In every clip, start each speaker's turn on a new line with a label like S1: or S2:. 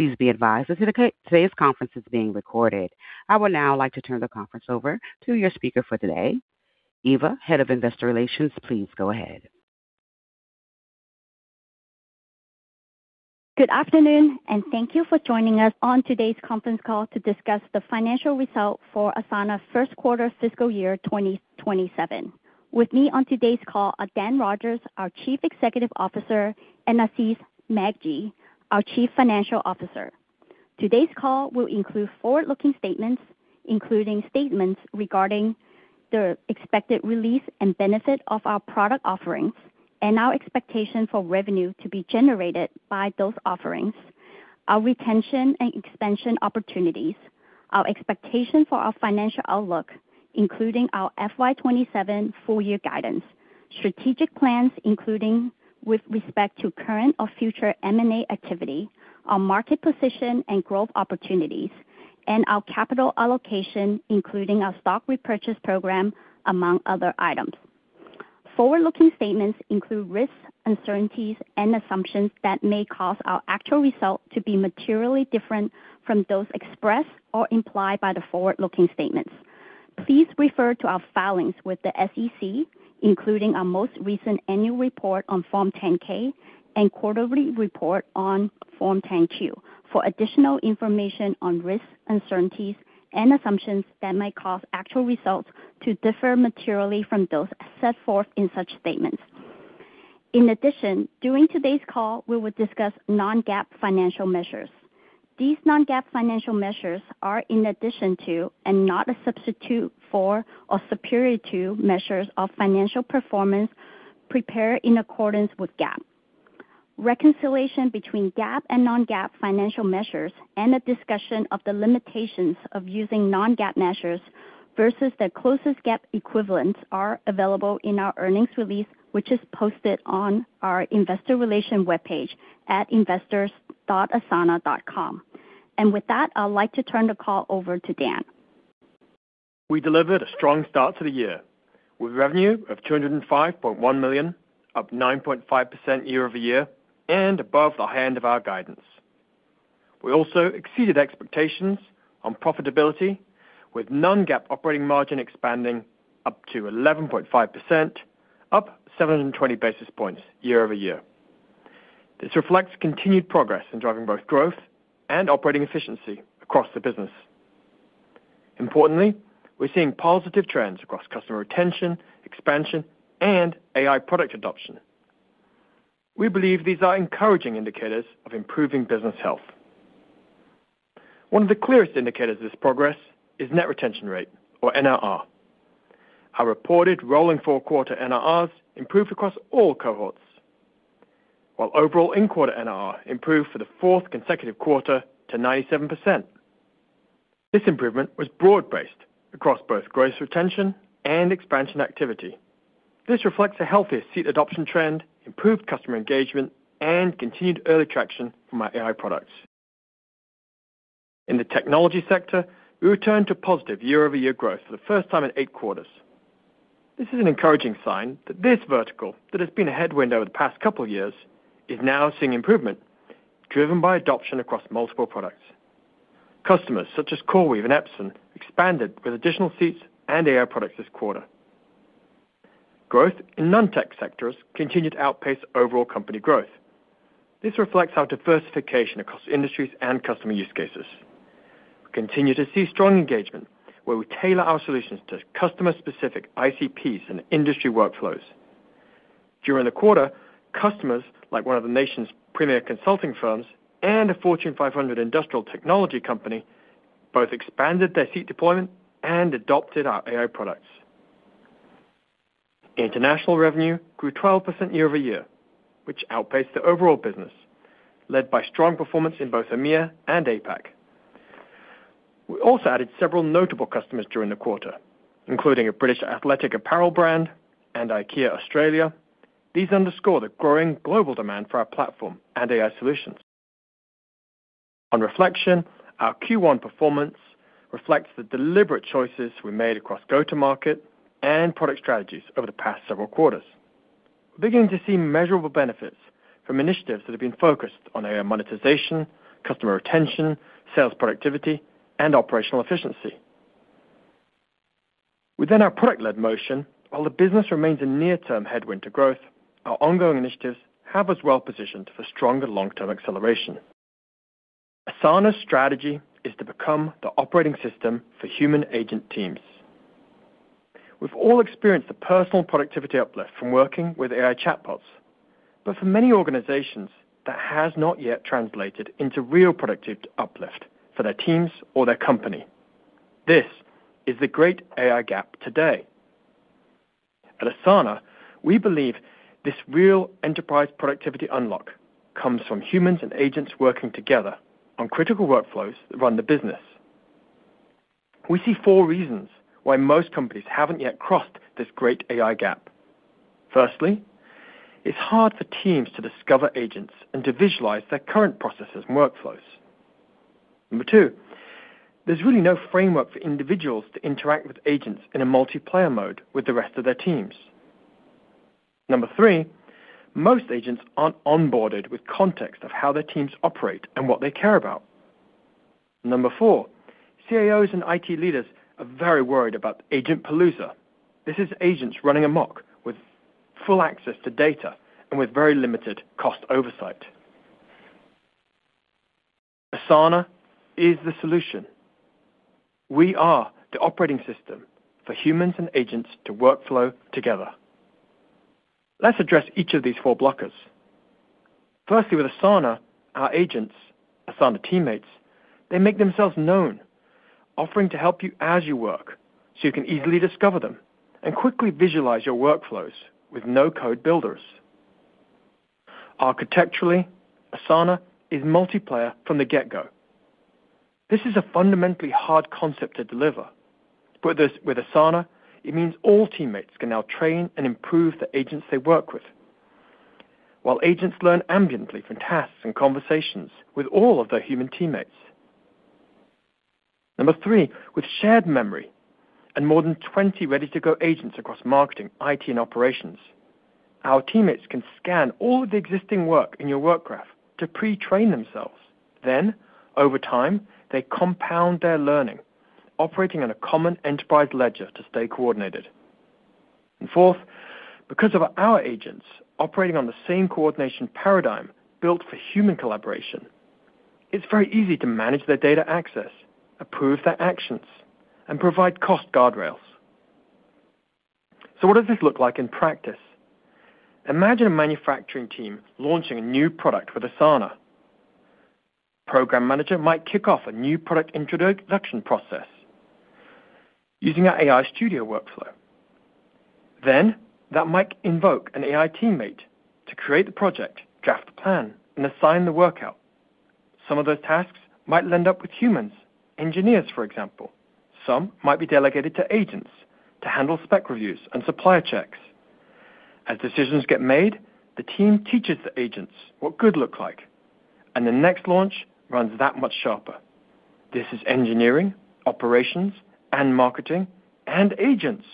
S1: Please be advised that today's conference is being recorded. I would now like to turn the conference over to your speaker for today, Eva, Head of Investor Relations. Please go ahead.
S2: Good afternoon, thank you for joining us on today's conference call to discuss the financial result for Asana first quarter fiscal year 2027. With me on today's call are Dan Rogers, our Chief Executive Officer, and Aziz Megji, our Chief Financial Officer. Today's call will include forward-looking statements, including statements regarding the expected release and benefit of our product offerings and our expectation for revenue to be generated by those offerings, our retention and expansion opportunities, our expectation for our financial outlook, including our FY 2027 full year guidance, strategic plans including with respect to current or future M&A activity, our market position and growth opportunities, and our capital allocation, including our stock repurchase program, among other items. Forward-looking statements include risks, uncertainties, and assumptions that may cause our actual results to be materially different from those expressed or implied by the forward-looking statements. Please refer to our filings with the SEC, including our most recent annual report on Form 10-K and quarterly report on Form 10-Q for additional information on risks, uncertainties, and assumptions that might cause actual results to differ materially from those set forth in such statements. In addition, during today's call, we will discuss non-GAAP financial measures. These non-GAAP financial measures are in addition to and not a substitute for or superior to measures of financial performance prepared in accordance with GAAP. Reconciliation between GAAP and non-GAAP financial measures and a discussion of the limitations of using non-GAAP measures versus the closest GAAP equivalents are available in our earnings release, which is posted on our investor relation webpage at investors.asana.com. With that, I'd like to turn the call over to Dan.
S3: We delivered a strong start to the year, with revenue of $205.1 million, up 9.5% year-over-year, and above the high end of our guidance. We also exceeded expectations on profitability, with non-GAAP operating margin expanding up to 11.5%, up 720 basis points year-over-year. This reflects continued progress in driving both growth and operating efficiency across the business. Importantly, we're seeing positive trends across customer retention, expansion, and AI product adoption. We believe these are encouraging indicators of improving business health. One of the clearest indicators of this progress is net retention rate or NRR. Our reported rolling four-quarter NRRs improved across all cohorts, while overall in quarter NRR improved for the fourth consecutive quarter to 97%. This improvement was broad-based across both gross retention and expansion activity. This reflects a healthier seat adoption trend, improved customer engagement, and continued early traction from our AI products. In the technology sector, we returned to positive year-over-year growth for the first time in eight quarters. This is an encouraging sign that this vertical, that has been a headwind over the past couple years, is now seeing improvement driven by adoption across multiple products. Customers such as CoreWeave and Epson expanded with additional seats and AI products this quarter. Growth in non-tech sectors continued to outpace overall company growth. This reflects our diversification across industries and customer use cases. We continue to see strong engagement where we tailor our solutions to customer-specific ICPs and industry workflows. During the quarter, customers like one of the nation's premier consulting firms and a Fortune 500 industrial technology company both expanded their seat deployment and adopted our AI products. International revenue grew 12% year-over-year, which outpaced the overall business, led by strong performance in both EMEA and APAC. We also added several notable customers during the quarter, including a British athletic apparel brand and IKEA Australia. These underscore the growing global demand for our platform and AI solutions. On reflection, our Q1 performance reflects the deliberate choices we made across go-to-market and product strategies over the past several quarters. We're beginning to see measurable benefits from initiatives that have been focused on AI monetization, customer retention, sales productivity, and operational efficiency. Within our product-led motion, while the business remains a near-term headwind to growth, our ongoing initiatives have us well positioned for stronger long-term acceleration. Asana's strategy is to become the operating system for human agent teams. We've all experienced the personal productivity uplift from working with AI chatbots, but for many organizations, that has not yet translated into real productivity uplift for their teams or their company. This is the great AI gap today. At Asana, we believe this real enterprise productivity unlock comes from humans and agents working together on critical workflows that run the business. We see four reasons why most companies haven't yet crossed this great AI gap. Firstly, it's hard for teams to discover agents and to visualize their current processes and workflows. Number two, there's really no framework for individuals to interact with agents in a multiplayer mode with the rest of their teams. Number three, most agents aren't onboarded with context of how their teams operate and what they care about. Number four, CIOs and IT leaders are very worried about agentpalooza. This is agents running amok with full access to data and with very limited cost oversight. Asana is the solution. We are the operating system for humans and agents to workflow together. Let's address each of these four blockers. Firstly, with Asana, our agents, Asana teammates, they make themselves known, offering to help you as you work so you can easily discover them and quickly visualize your workflows with no-code builders. Architecturally, Asana is multiplayer from the get-go. This is a fundamentally hard concept to deliver. With Asana, it means all teammates can now train and improve the agents they work with, while agents learn ambiently from tasks and conversations with all of their human teammates. Number three, with shared memory and more than 20 ready-to-go agents across marketing, IT, and operations, our teammates can scan all of the existing work in your Work Graph to pre-train themselves. Over time, they compound their learning, operating on a common enterprise ledger to stay coordinated. Fourth, because of our agents operating on the same coordination paradigm built for human collaboration, it's very easy to manage their data access, approve their actions, and provide cost guardrails. What does this look like in practice? Imagine a manufacturing team launching a new product with Asana. Program manager might kick off a new product introduction process using our AI Studio workflow. That might invoke an AI Teammate to create the project, draft the plan, and assign the workout. Some of those tasks might lend up with humans, engineers, for example. Some might be delegated to agents to handle spec reviews and supply checks. As decisions get made, the team teaches the agents what good look like, and the next launch runs that much sharper. This is engineering, operations, and marketing, and agents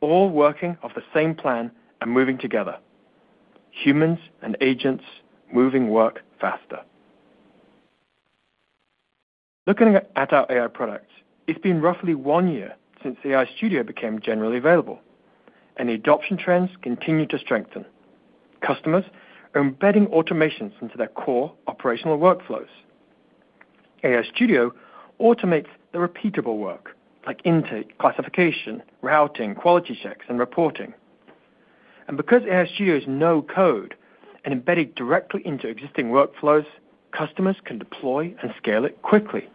S3: all working off the same plan and moving together. Humans and agents moving work faster. Looking at our AI products, it's been roughly one year since AI Studio became generally available, and the adoption trends continue to strengthen. Customers are embedding automations into their core operational workflows. AI Studio automates the repeatable work like intake, classification, routing, quality checks, and reporting. Because AI Studio is no-code and embedded directly into existing workflows, customers can deploy and scale it quickly.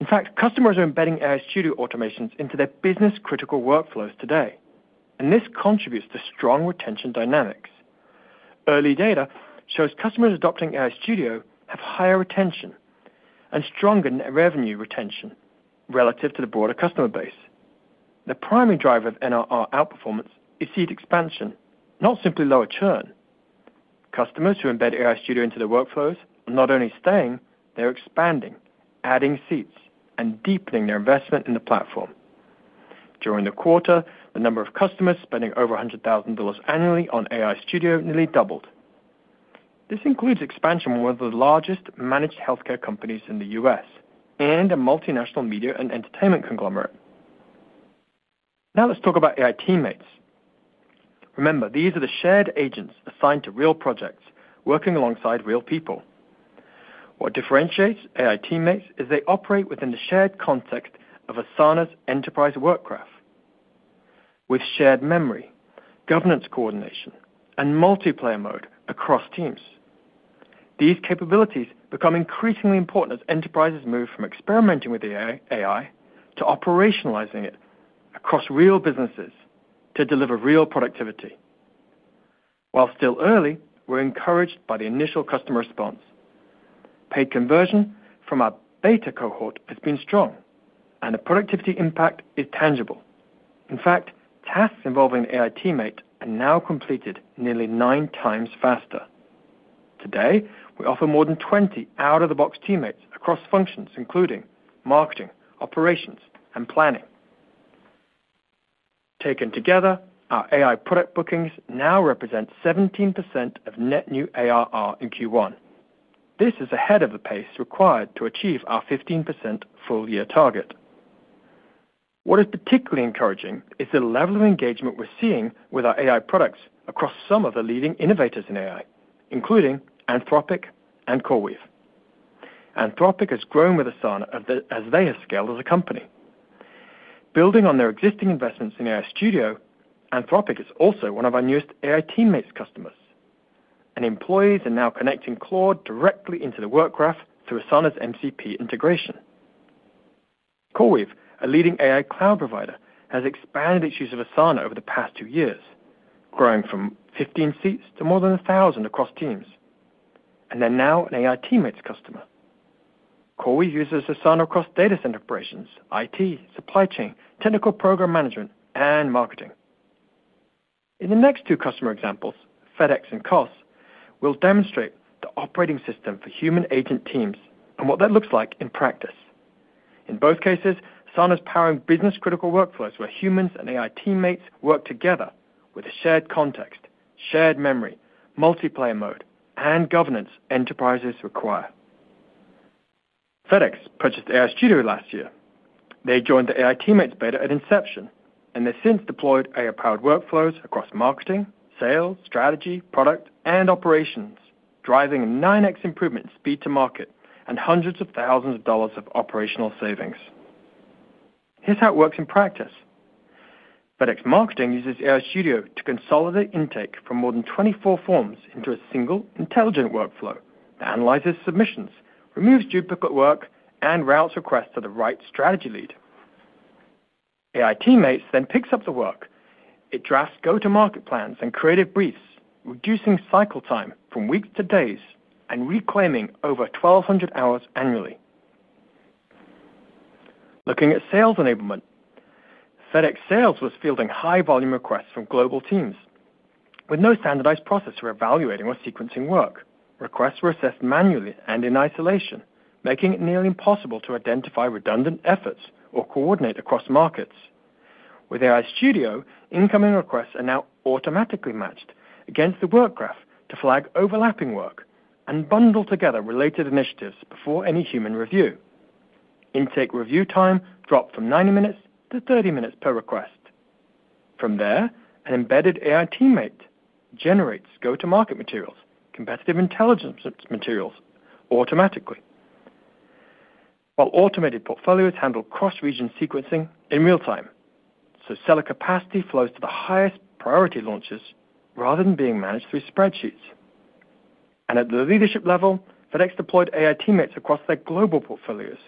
S3: In fact, customers are embedding AI Studio automations into their business-critical workflows today, this contributes to strong retention dynamics. Early data shows customers adopting AI Studio have higher retention and stronger net revenue retention relative to the broader customer base. The primary driver of NRR outperformance is seat expansion, not simply lower churn. Customers who embed AI Studio into their workflows are not only staying, they're expanding, adding seats, and deepening their investment in the platform. During the quarter, the number of customers spending over $100,000 annually on AI Studio nearly doubled. This includes expansion with one of the largest managed healthcare companies in the U.S. and a multinational media and entertainment conglomerate. Let's talk about AI Teammates. Remember, these are the shared agents assigned to real projects, working alongside real people. What differentiates AI Teammates is they operate within the shared context of Asana's enterprise Work Graph, with shared memory, governance coordination, and multiplayer mode across teams. These capabilities become increasingly important as enterprises move from experimenting with AI to operationalizing it across real businesses to deliver real productivity. While still early, we're encouraged by the initial customer response. Paid conversion from our beta cohort has been strong, the productivity impact is tangible. In fact, tasks involving AI Teammates are now completed nearly nine times faster. Today, we offer more than 20 out-of-the-box teammates across functions including marketing, operations, and planning. Taken together, our AI product bookings now represent 17% of net new ARR in Q1. This is ahead of the pace required to achieve our 15% full-year target. What is particularly encouraging is the level of engagement we're seeing with our AI products across some of the leading innovators in AI, including Anthropic and CoreWeave. Anthropic has grown with Asana as they have scaled as a company. Building on their existing investments in AI Studio, Anthropic is also one of our newest AI Teammates customers, employees are now connecting Claude directly into the Work Graph through Asana's MCP integration. CoreWeave, a leading AI cloud provider, has expanded its use of Asana over the past two years, growing from 15 seats to more than 1,000 across teams, and they're now an AI Teammates customer. CoreWeave uses Asana across data center operations, IT, supply chain, technical program management, and marketing. In the next two customer examples, FedEx and COS, we'll demonstrate the operating system for human agent teams and what that looks like in practice. In both cases, Asana is powering business-critical workflows where humans and AI Teammates work together with a shared context, shared memory, multiplayer mode, and governance enterprises require. FedEx purchased AI Studio last year. They joined the AI Teammates beta at inception, and they since deployed AI-powered workflows across marketing, sales, strategy, product, and operations, driving a 9x improvement in speed to market and hundreds of thousands of dollars of operational savings. Here's how it works in practice. FedEx Marketing uses AI Studio to consolidate intake from more than 24 forms into a single intelligent workflow that analyzes submissions, removes duplicate work, and routes requests to the right strategy lead. AI Teammates picks up the work. It drafts go-to-market plans and creative briefs, reducing cycle time from weeks to days and reclaiming over 1,200 hours annually. Looking at sales enablement, FedEx Sales was fielding high volume requests from global teams. With no standardized process for evaluating or sequencing work, requests were assessed manually and in isolation, making it nearly impossible to identify redundant efforts or coordinate across markets. With AI Studio, incoming requests are now automatically matched against the Work Graph to flag overlapping work and bundle together related initiatives before any human review. Intake review time dropped from 90 minutes to 30 minutes per request. From there, an embedded AI Teammate generates go-to-market materials, competitive intelligence materials automatically. While automated portfolios handle cross-region sequencing in real-time, so seller capacity flows to the highest priority launches rather than being managed through spreadsheets. At the leadership level, FedEx deployed AI Teammates across their global portfolios,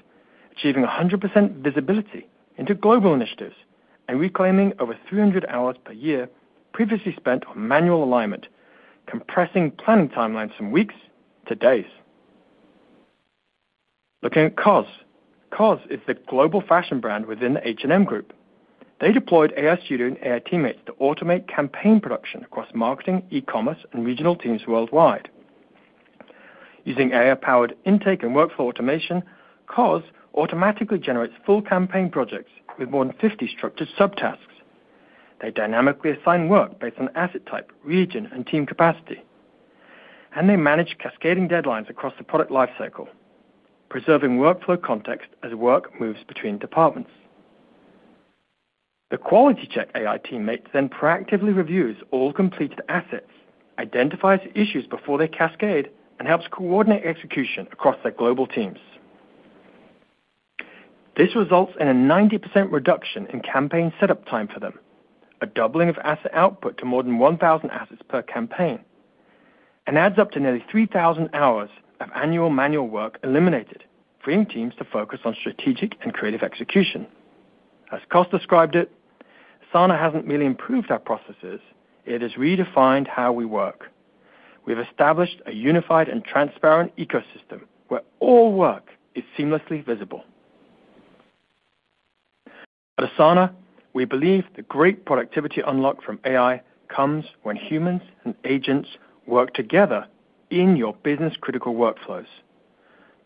S3: achieving 100% visibility into global initiatives and reclaiming over 300 hours per year previously spent on manual alignment, compressing planning timelines from weeks to days. Looking at COS. COS is the global fashion brand within the H&M Group. They deployed AI Studio and AI Teammates to automate campaign production across marketing, e-commerce, and regional teams worldwide. Using AI-powered intake and workflow automation, COS automatically generates full campaign projects with more than 50 structured sub-tasks. They dynamically assign work based on asset type, region, and team capacity. They manage cascading deadlines across the product life cycle, preserving workflow context as work moves between departments. The quality check AI Teammate proactively reviews all completed assets, identifies issues before they cascade, and helps coordinate execution across their global teams. This results in a 90% reduction in campaign setup time for them, a doubling of asset output to more than 1,000 assets per campaign, adds up to nearly 3,000 hours of annual manual work eliminated, freeing teams to focus on strategic and creative execution. As COS described it, "Asana hasn't merely improved our processes, it has redefined how we work. We've established a unified and transparent ecosystem where all work is seamlessly visible." At Asana, we believe the great productivity unlock from AI comes when humans and agents work together in your business-critical workflows.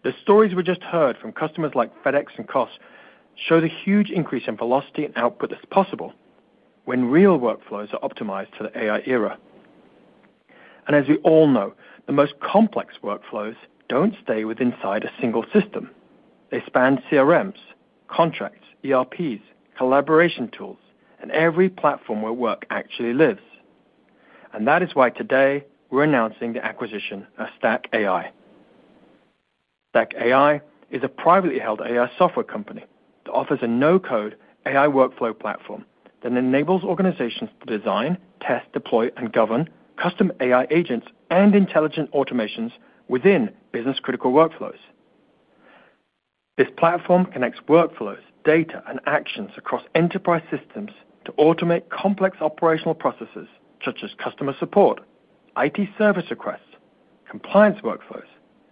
S3: The stories we just heard from customers like FedEx and COS show the huge increase in velocity and output that's possible when real workflows are optimized to the AI era. As we all know, the most complex workflows don't stay inside a single system. They span CRMs, contracts, ERPs, collaboration tools, and every platform where work actually lives. That is why today we're announcing the acquisition of Stack AI. Stack AI is a privately held AI software company that offers a no-code AI workflow platform that enables organizations to design, test, deploy, and govern custom AI agents and intelligent automations within business-critical workflows. This platform connects workflows, data, and actions across enterprise systems to automate complex operational processes such as customer support, IT service requests, compliance workflows,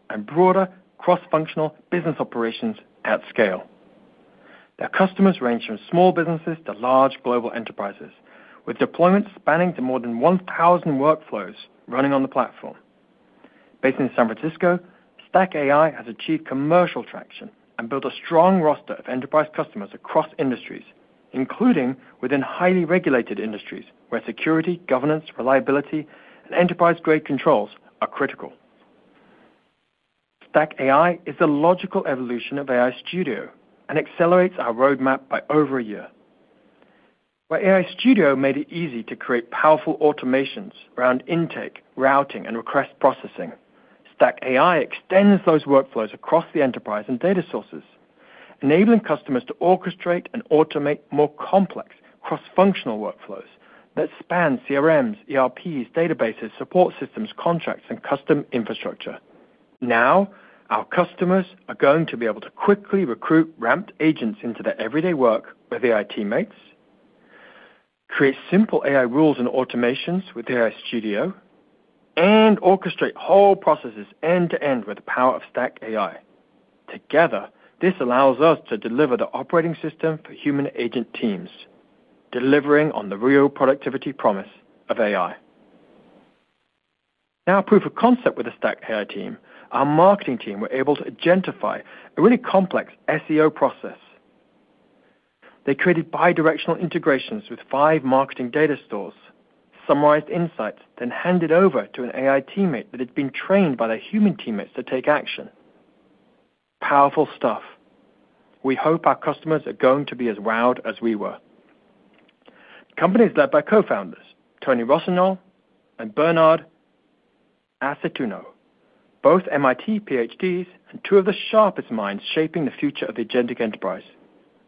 S3: and broader cross-functional business operations at scale. Their customers range from small businesses to large global enterprises, with deployments spanning to more than 1,000 workflows running on the platform. Based in San Francisco, Stack AI has achieved commercial traction and built a strong roster of enterprise customers across industries, including within highly regulated industries where security, governance, reliability, and enterprise-grade controls are critical. Stack AI is the logical evolution of AI Studio and accelerates our roadmap by over a year. Where AI Studio made it easy to create powerful automations around intake, routing, and request processing, Stack AI extends those workflows across the enterprise and data sources, enabling customers to orchestrate and automate more complex cross-functional workflows that span CRMs, ERPs, databases, support systems, contracts, and custom infrastructure. Our customers are going to be able to quickly recruit ramped agents into their everyday work with AI Teammates, create simple AI rules and automations with AI Studio, and orchestrate whole processes end to end with the power of Stack AI. This allows us to deliver the operating system for human agent teams, delivering on the real productivity promise of AI. Proof of concept with the Stack AI team, our marketing team were able to agentify a really complex SEO process. They created bi-directional integrations with five marketing data stores, summarized insights, then hand it over to an AI Teammate that had been trained by their human teammates to take action. Powerful stuff. We hope our customers are going to be as wowed as we were. Company's led by co-founders Tony Rossignol and Bernard Accetturo, both MIT PhDs, and two of the sharpest minds shaping the future of the agentic enterprise.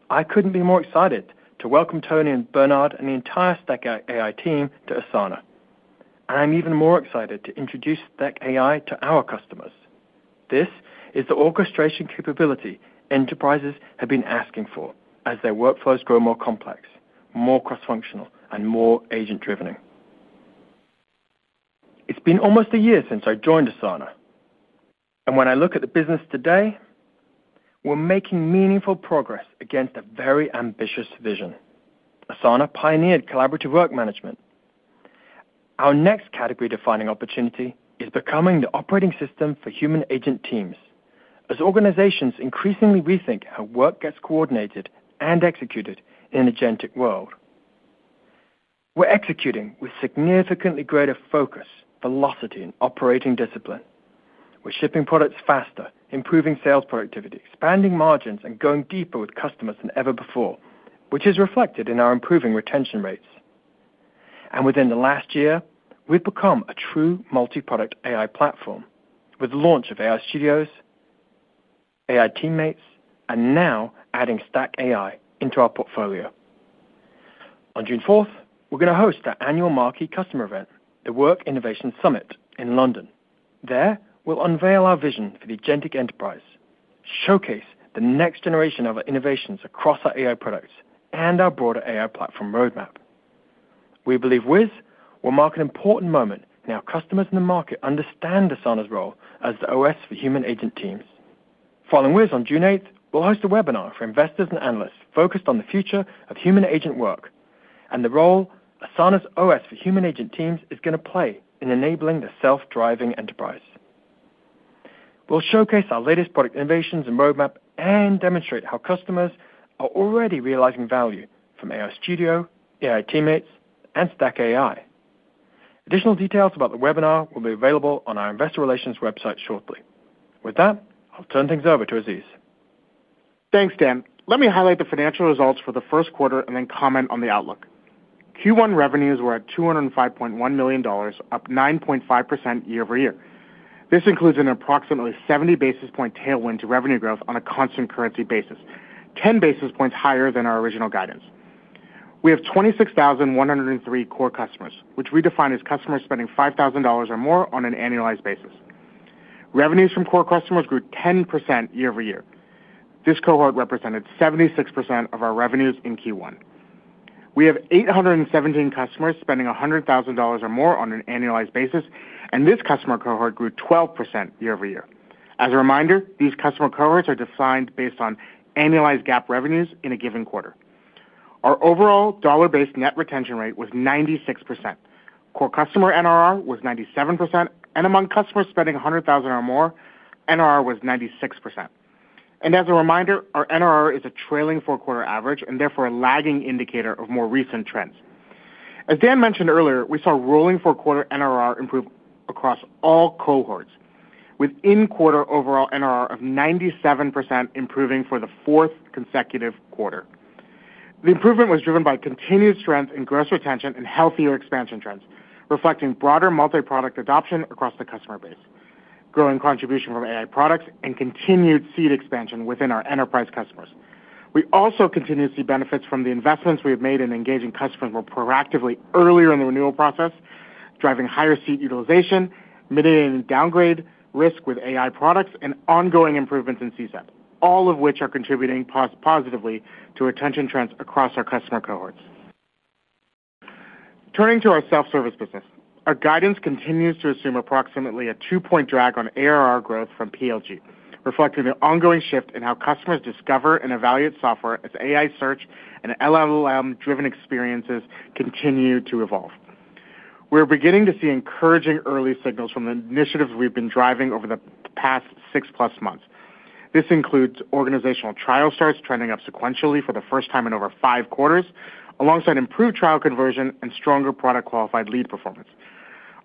S3: I couldn't be more excited to welcome Tony and Bernard and the entire Stack AI team to Asana, and I'm even more excited to introduce Stack AI to our customers. This is the orchestration capability enterprises have been asking for as their workflows grow more complex, more cross-functional, and more agent-driven. It's been almost a year since I joined Asana, and when I look at the business today, we're making meaningful progress against a very ambitious vision. Asana pioneered collaborative work management. Our next category-defining opportunity is becoming the operating system for human agent teams, as organizations increasingly rethink how work gets coordinated and executed in an agentic world. We're executing with significantly greater focus, velocity, and operating discipline. We're shipping products faster, improving sales productivity, expanding margins, and going deeper with customers than ever before, which is reflected in our improving retention rates. Within the last year, we've become a true multi-product AI platform with the launch of Asana AI Studio, AI Teammates, and now adding StackAI into our portfolio. On June fourth, we're going to host our annual marquee customer event, the Work Innovation Summit, in London. There, we'll unveil our vision for the agentic enterprise, showcase the next generation of our innovations across our AI products, and our broader AI platform roadmap. We believe WIS will mark an important moment in our customers in the market understand Asana's role as the OS for human agent teams. Following WIS on June 8th, we'll host a webinar for investors and analysts focused on the future of human agent work and the role Asana's OS for human agent teams is going to play in enabling the self-driving enterprise. We'll showcase our latest product innovations and roadmap and demonstrate how customers are already realizing value from AI Studio, AI Teammates, and StackAI. Additional details about the webinar will be available on our investor relations website shortly. With that, I'll turn things over to Aziz.
S4: Thanks, Dan. Let me highlight the financial results for the first quarter, and then comment on the outlook. Q1 revenues were at $205.1 million, up 9.5% year-over-year. This includes an approximately 70 basis point tailwind to revenue growth on a constant currency basis, 10 basis points higher than our original guidance. We have 26,103 core customers, which we define as customers spending $5,000 or more on an annualized basis. Revenues from core customers grew 10% year-over-year. This cohort represented 76% of our revenues in Q1. We have 817 customers spending $100,000 or more on an annualized basis. This customer cohort grew 12% year-over-year. As a reminder, these customer cohorts are defined based on annualized GAAP revenues in a given quarter. Our overall dollar-based net retention rate was 96%. Core customer NRR was 97%, and among customers spending 100,000 or more, NRR was 96%. As a reminder, our NRR is a trailing four-quarter average, and therefore a lagging indicator of more recent trends. As Dan mentioned earlier, we saw rolling four-quarter NRR improve across all cohorts with in-quarter overall NRR of 97% improving for the fourth consecutive quarter. The improvement was driven by continued strength in gross retention and healthier expansion trends, reflecting broader multi-product adoption across the customer base, growing contribution from AI products, and continued seat expansion within our enterprise customers. We also continue to see benefits from the investments we have made in engaging customers more proactively earlier in the renewal process, driving higher seat utilization, mitigating downgrade risk with AI products, and ongoing improvements in CSAT, all of which are contributing positively to retention trends across our customer cohorts. Turning to our self-service business. Our guidance continues to assume approximately a two-point drag on ARR growth from PLG, reflecting the ongoing shift in how customers discover and evaluate software as AI search and LLM-driven experiences continue to evolve. We're beginning to see encouraging early signals from the initiatives we've been driving over the past 6+ months. This includes organizational trial starts trending up sequentially for the first time in over five quarters, alongside improved trial conversion and stronger product qualified lead performance.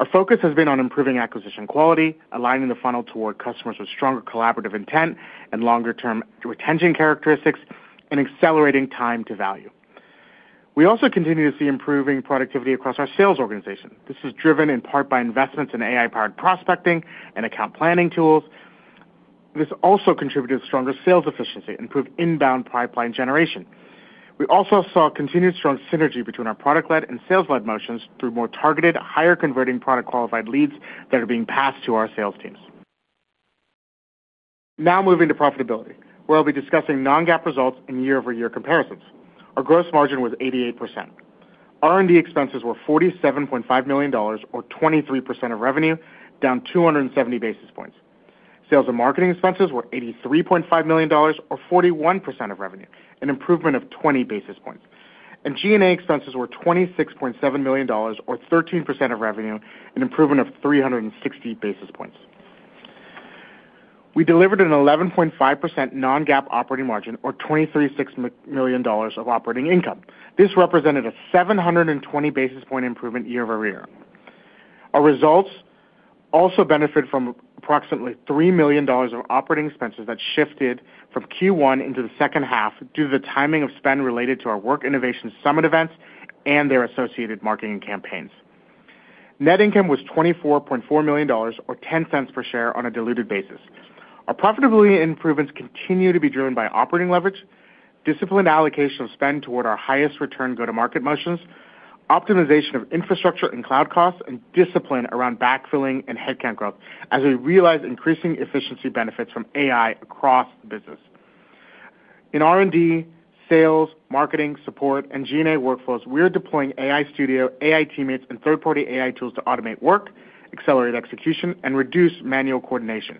S4: Our focus has been on improving acquisition quality, aligning the funnel toward customers with stronger collaborative intent and longer-term retention characteristics, and accelerating time to value. We also continue to see improving productivity across our sales organization. This is driven in part by investments in AI-powered prospecting and account planning tools. This also contributed to stronger sales efficiency, improved inbound pipeline generation. We also saw continued strong synergy between our product-led and sales-led motions through more targeted, higher converting product qualified leads that are being passed to our sales teams. Moving to profitability, where I'll be discussing non-GAAP results and year-over-year comparisons. Our gross margin was 88%. R&D expenses were $47.5 million or 23% of revenue, down 270 basis points. Sales and marketing expenses were $83.5 million, or 41% of revenue, an improvement of 20 basis points. G&A expenses were $26.7 million, or 13% of revenue, an improvement of 360 basis points. We delivered an 11.5% non-GAAP operating margin, or $23.6 million of operating income. This represented a 720 basis point improvement year-over-year. Our results also benefit from approximately $3 million of operating expenses that shifted from Q1 into the second half due to the timing of spend related to our Work Innovation Summit events and their associated marketing campaigns. Net income was $24.4 million or $0.10 per share on a diluted basis. Our profitability improvements continue to be driven by operating leverage, disciplined allocation of spend toward our highest return go-to-market motions, optimization of infrastructure and cloud costs, and discipline around backfilling and headcount growth as we realize increasing efficiency benefits from AI across the business. In R&D, sales, marketing, support, and G&A workflows, we are deploying AI Studio, AI Teammates, and third-party AI tools to automate work, accelerate execution, and reduce manual coordination.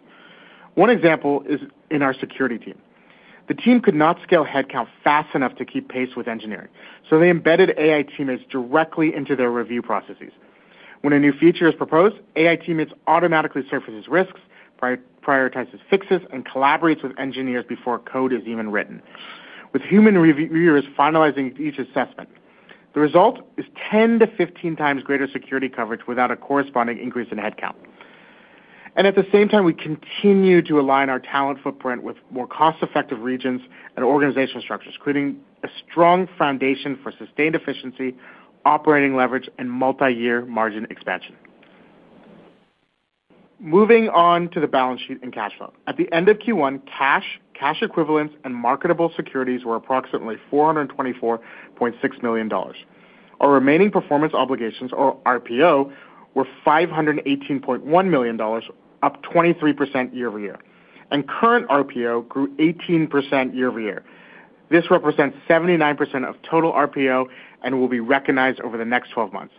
S4: One example is in our security team. The team could not scale headcount fast enough to keep pace with engineering, so they embedded AI Teammates directly into their review processes. When a new feature is proposed, AI Teammates automatically surfaces risks, prioritizes fixes, and collaborates with engineers before code is even written, with human reviewers finalizing each assessment. The result is 10-15x greater security coverage without a corresponding increase in headcount. At the same time, we continue to align our talent footprint with more cost-effective regions and organizational structures, creating a strong foundation for sustained efficiency, operating leverage, and multiyear margin expansion. Moving on to the balance sheet and cash flow. At the end of Q1, cash equivalents, and marketable securities were approximately $424.6 million. Our remaining performance obligations, or RPO, were $518.1 million, up 23% year-over-year. Current RPO grew 18% year-over-year. This represents 79% of total RPO and will be recognized over the next 12 months.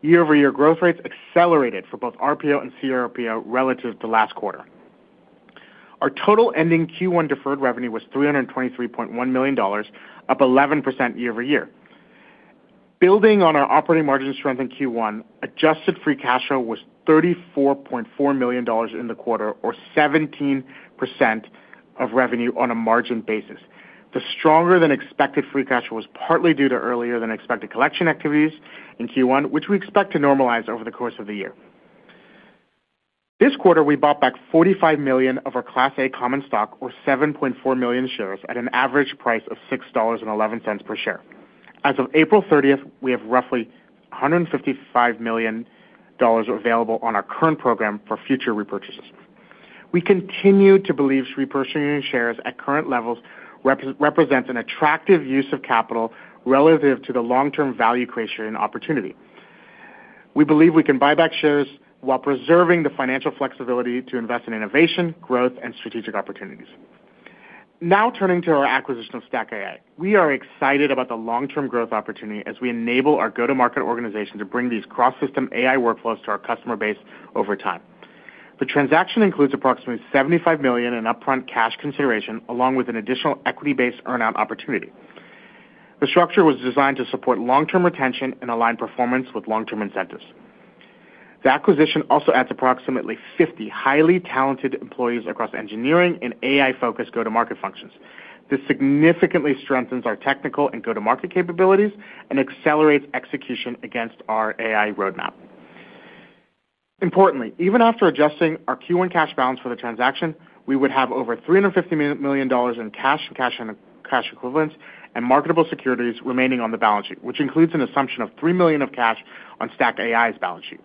S4: Year-over-year growth rates accelerated for both RPO and CRPO relative to last quarter. Our total ending Q1 deferred revenue was $323.1 million, up 11% year-over-year. Building on our operating margin strength in Q1, adjusted free cash flow was $34.4 million in the quarter or 17% of revenue on a margin basis. The stronger-than-expected free cash flow was partly due to earlier-than-expected collection activities in Q1, which we expect to normalize over the course of the year. This quarter, we bought back $45 million of our class A common stock, or 7.4 million shares at an average price of $6.11 per share. As of April 30th, we have roughly $155 million available on our current program for future repurchases. We continue to believe repurchasing shares at current levels represents an attractive use of capital relative to the long-term value creation opportunity. We believe we can buy back shares while preserving the financial flexibility to invest in innovation, growth, and strategic opportunities. Turning to our acquisition of StackAI. We are excited about the long-term growth opportunity as we enable our go-to-market organization to bring these cross-system AI workflows to our customer base over time. The transaction includes approximately $75 million in upfront cash consideration, along with an additional equity-based earn-out opportunity. The structure was designed to support long-term retention and align performance with long-term incentives. The acquisition also adds approximately 50 highly talented employees across engineering and AI-focused go-to-market functions. This significantly strengthens our technical and go-to-market capabilities and accelerates execution against our AI roadmap. Importantly, even after adjusting our Q1 cash balance for the transaction, we would have over $350 million in cash equivalents, and marketable securities remaining on the balance sheet, which includes an assumption of 3 million of cash on StackAI's balance sheet.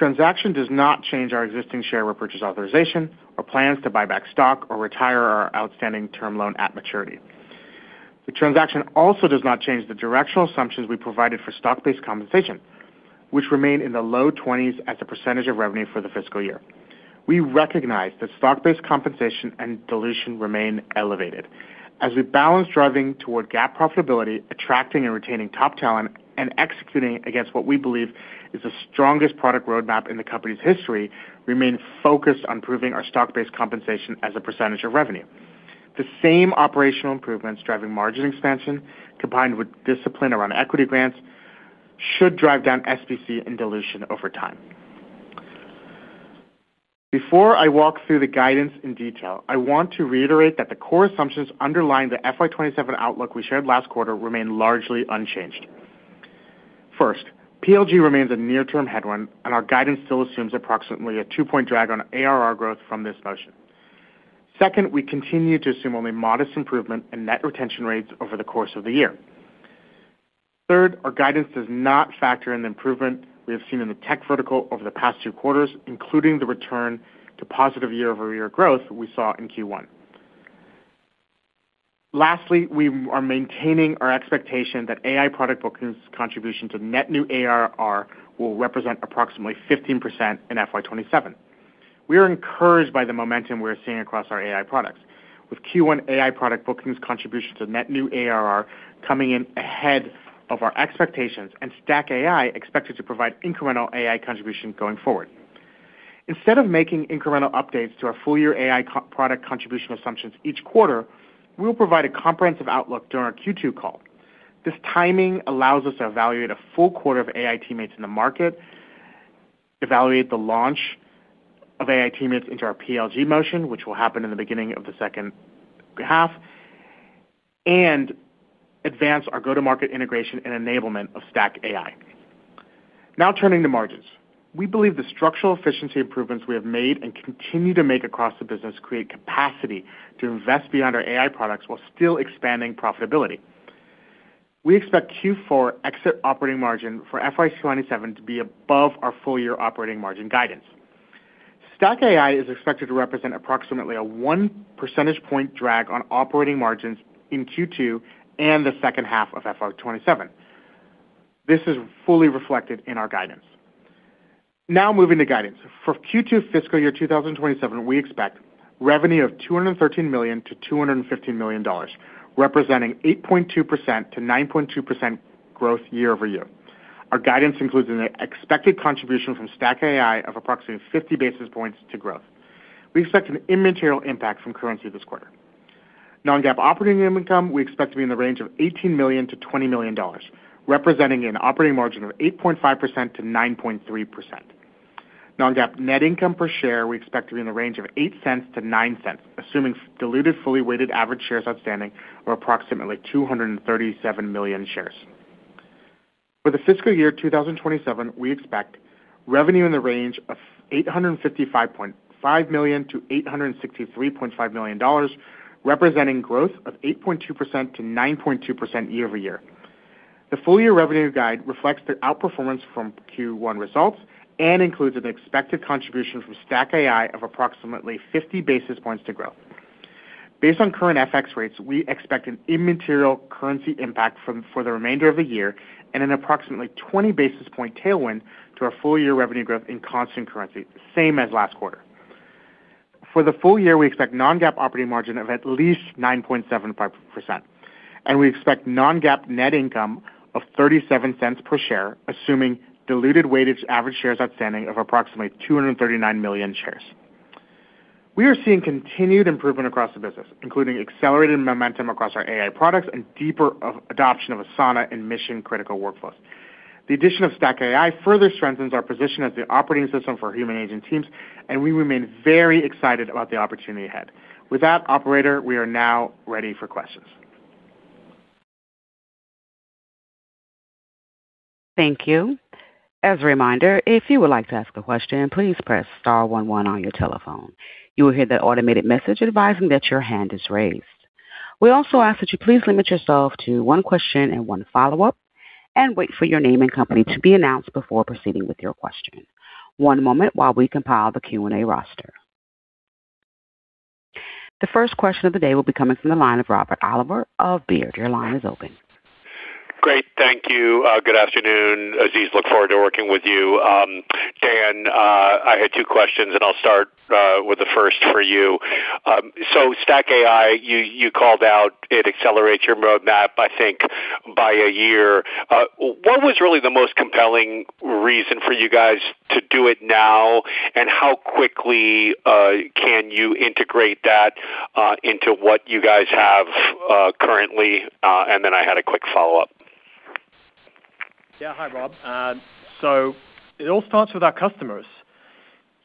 S4: The transaction does not change our existing share repurchase authorization or plans to buy back stock or retire our outstanding term loan at maturity. The transaction also does not change the directional assumptions we provided for stock-based compensation, which remain in the low 20s as a % of revenue for the fiscal year. We recognize that stock-based compensation and dilution remain elevated. As we balance driving toward GAAP profitability, attracting and retaining top talent, and executing against what we believe is the strongest product roadmap in the company's history, remain focused on improving our stock-based compensation as a percentage of revenue. The same operational improvements driving margin expansion, combined with discipline around equity grants, should drive down SBC and dilution over time. Before I walk through the guidance in detail, I want to reiterate that the core assumptions underlying the FY 2027 outlook we shared last quarter remain largely unchanged. First, PLG remains a near-term headwind, and our guidance still assumes approximately a two-point drag on ARR growth from this motion. Second, we continue to assume only modest improvement in net retention rates over the course of the year. Third, our guidance does not factor in the improvement we have seen in the tech vertical over the past two quarters, including the return to positive year-over-year growth we saw in Q1. Lastly, we are maintaining our expectation that AI product bookings contribution to net new ARR will represent approximately 15% in FY 2027. We are encouraged by the momentum we're seeing across our AI products. With Q1 AI product bookings contributions of net new ARR coming in ahead of our expectations and StackAI expected to provide incremental AI contribution going forward. Instead of making incremental updates to our full-year AI product contribution assumptions each quarter, we will provide a comprehensive outlook during our Q2 call. This timing allows us to evaluate a full quarter of AI Teammates in the market, evaluate the launch of AI Teammates into our PLG motion, which will happen in the beginning of the second half, and advance our go-to-market integration and enablement of StackAI. Turning to margins. We believe the structural efficiency improvements we have made and continue to make across the business create capacity to invest beyond our AI products while still expanding profitability. We expect Q4 exit operating margin for FY 2027 to be above our full-year operating margin guidance. StackAI is expected to represent approximately a one percentage point drag on operating margins in Q2 and the second half of FY 2027. This is fully reflected in our guidance. Moving to guidance. For Q2 fiscal year 2027, we expect revenue of $213 million to $215 million, representing 8.2%-9.2% growth year-over-year. Our guidance includes an expected contribution from StackAI of approximately 50 basis points to growth. We expect an immaterial impact from currency this quarter. Non-GAAP operating income, we expect to be in the range of $18 million to $20 million, representing an operating margin of 8.5%-9.3%. Non-GAAP net income per share, we expect to be in the range of $0.08-$0.09, assuming diluted fully weighted average shares outstanding or approximately 237 million shares. For the fiscal year 2027, we expect revenue in the range of $855.5 million to $863.5 million, representing growth of 8.2%-9.2% year-over-year. The full-year revenue guide reflects the outperformance from Q1 results and includes an expected contribution from StackAI of approximately 50 basis points to growth. Based on current FX rates, we expect an immaterial currency impact for the remainder of the year and an approximately 20 basis point tailwind to our full-year revenue growth in constant currency, same as last quarter. For the full year, we expect non-GAAP operating margin of at least 9.75%, and we expect non-GAAP net income of $0.37 per share, assuming diluted weighted average shares outstanding of approximately 239 million shares. We are seeing continued improvement across the business, including accelerated momentum across our AI products and deeper adoption of Asana and mission-critical workflows. The addition of StackAI further strengthens our position as the operating system for human agent teams, and we remain very excited about the opportunity ahead. With that, operator, we are now ready for questions.
S1: Thank you. As a reminder, if you would like to ask a question, please press star one one on your telephone. We also ask that you please limit yourself to one question and one follow-up and wait for your name and company to be announced before proceeding with your question. One moment while we compile the Q&A roster. The first question of the day will be coming from the line of Robert Oliver of Baird. Your line is open.
S5: Great. Thank you. Good afternoon, Aziz. Look forward to working with you. Dan, I had two questions, and I'll start with the first for you. StackAI, you called out it accelerates your roadmap, I think, by a year. What was really the most compelling reason for you guys to do it now, and how quickly can you integrate that into what you guys have currently? I had a quick follow-up.
S3: Yeah. Hi, Rob. It all starts with our customers.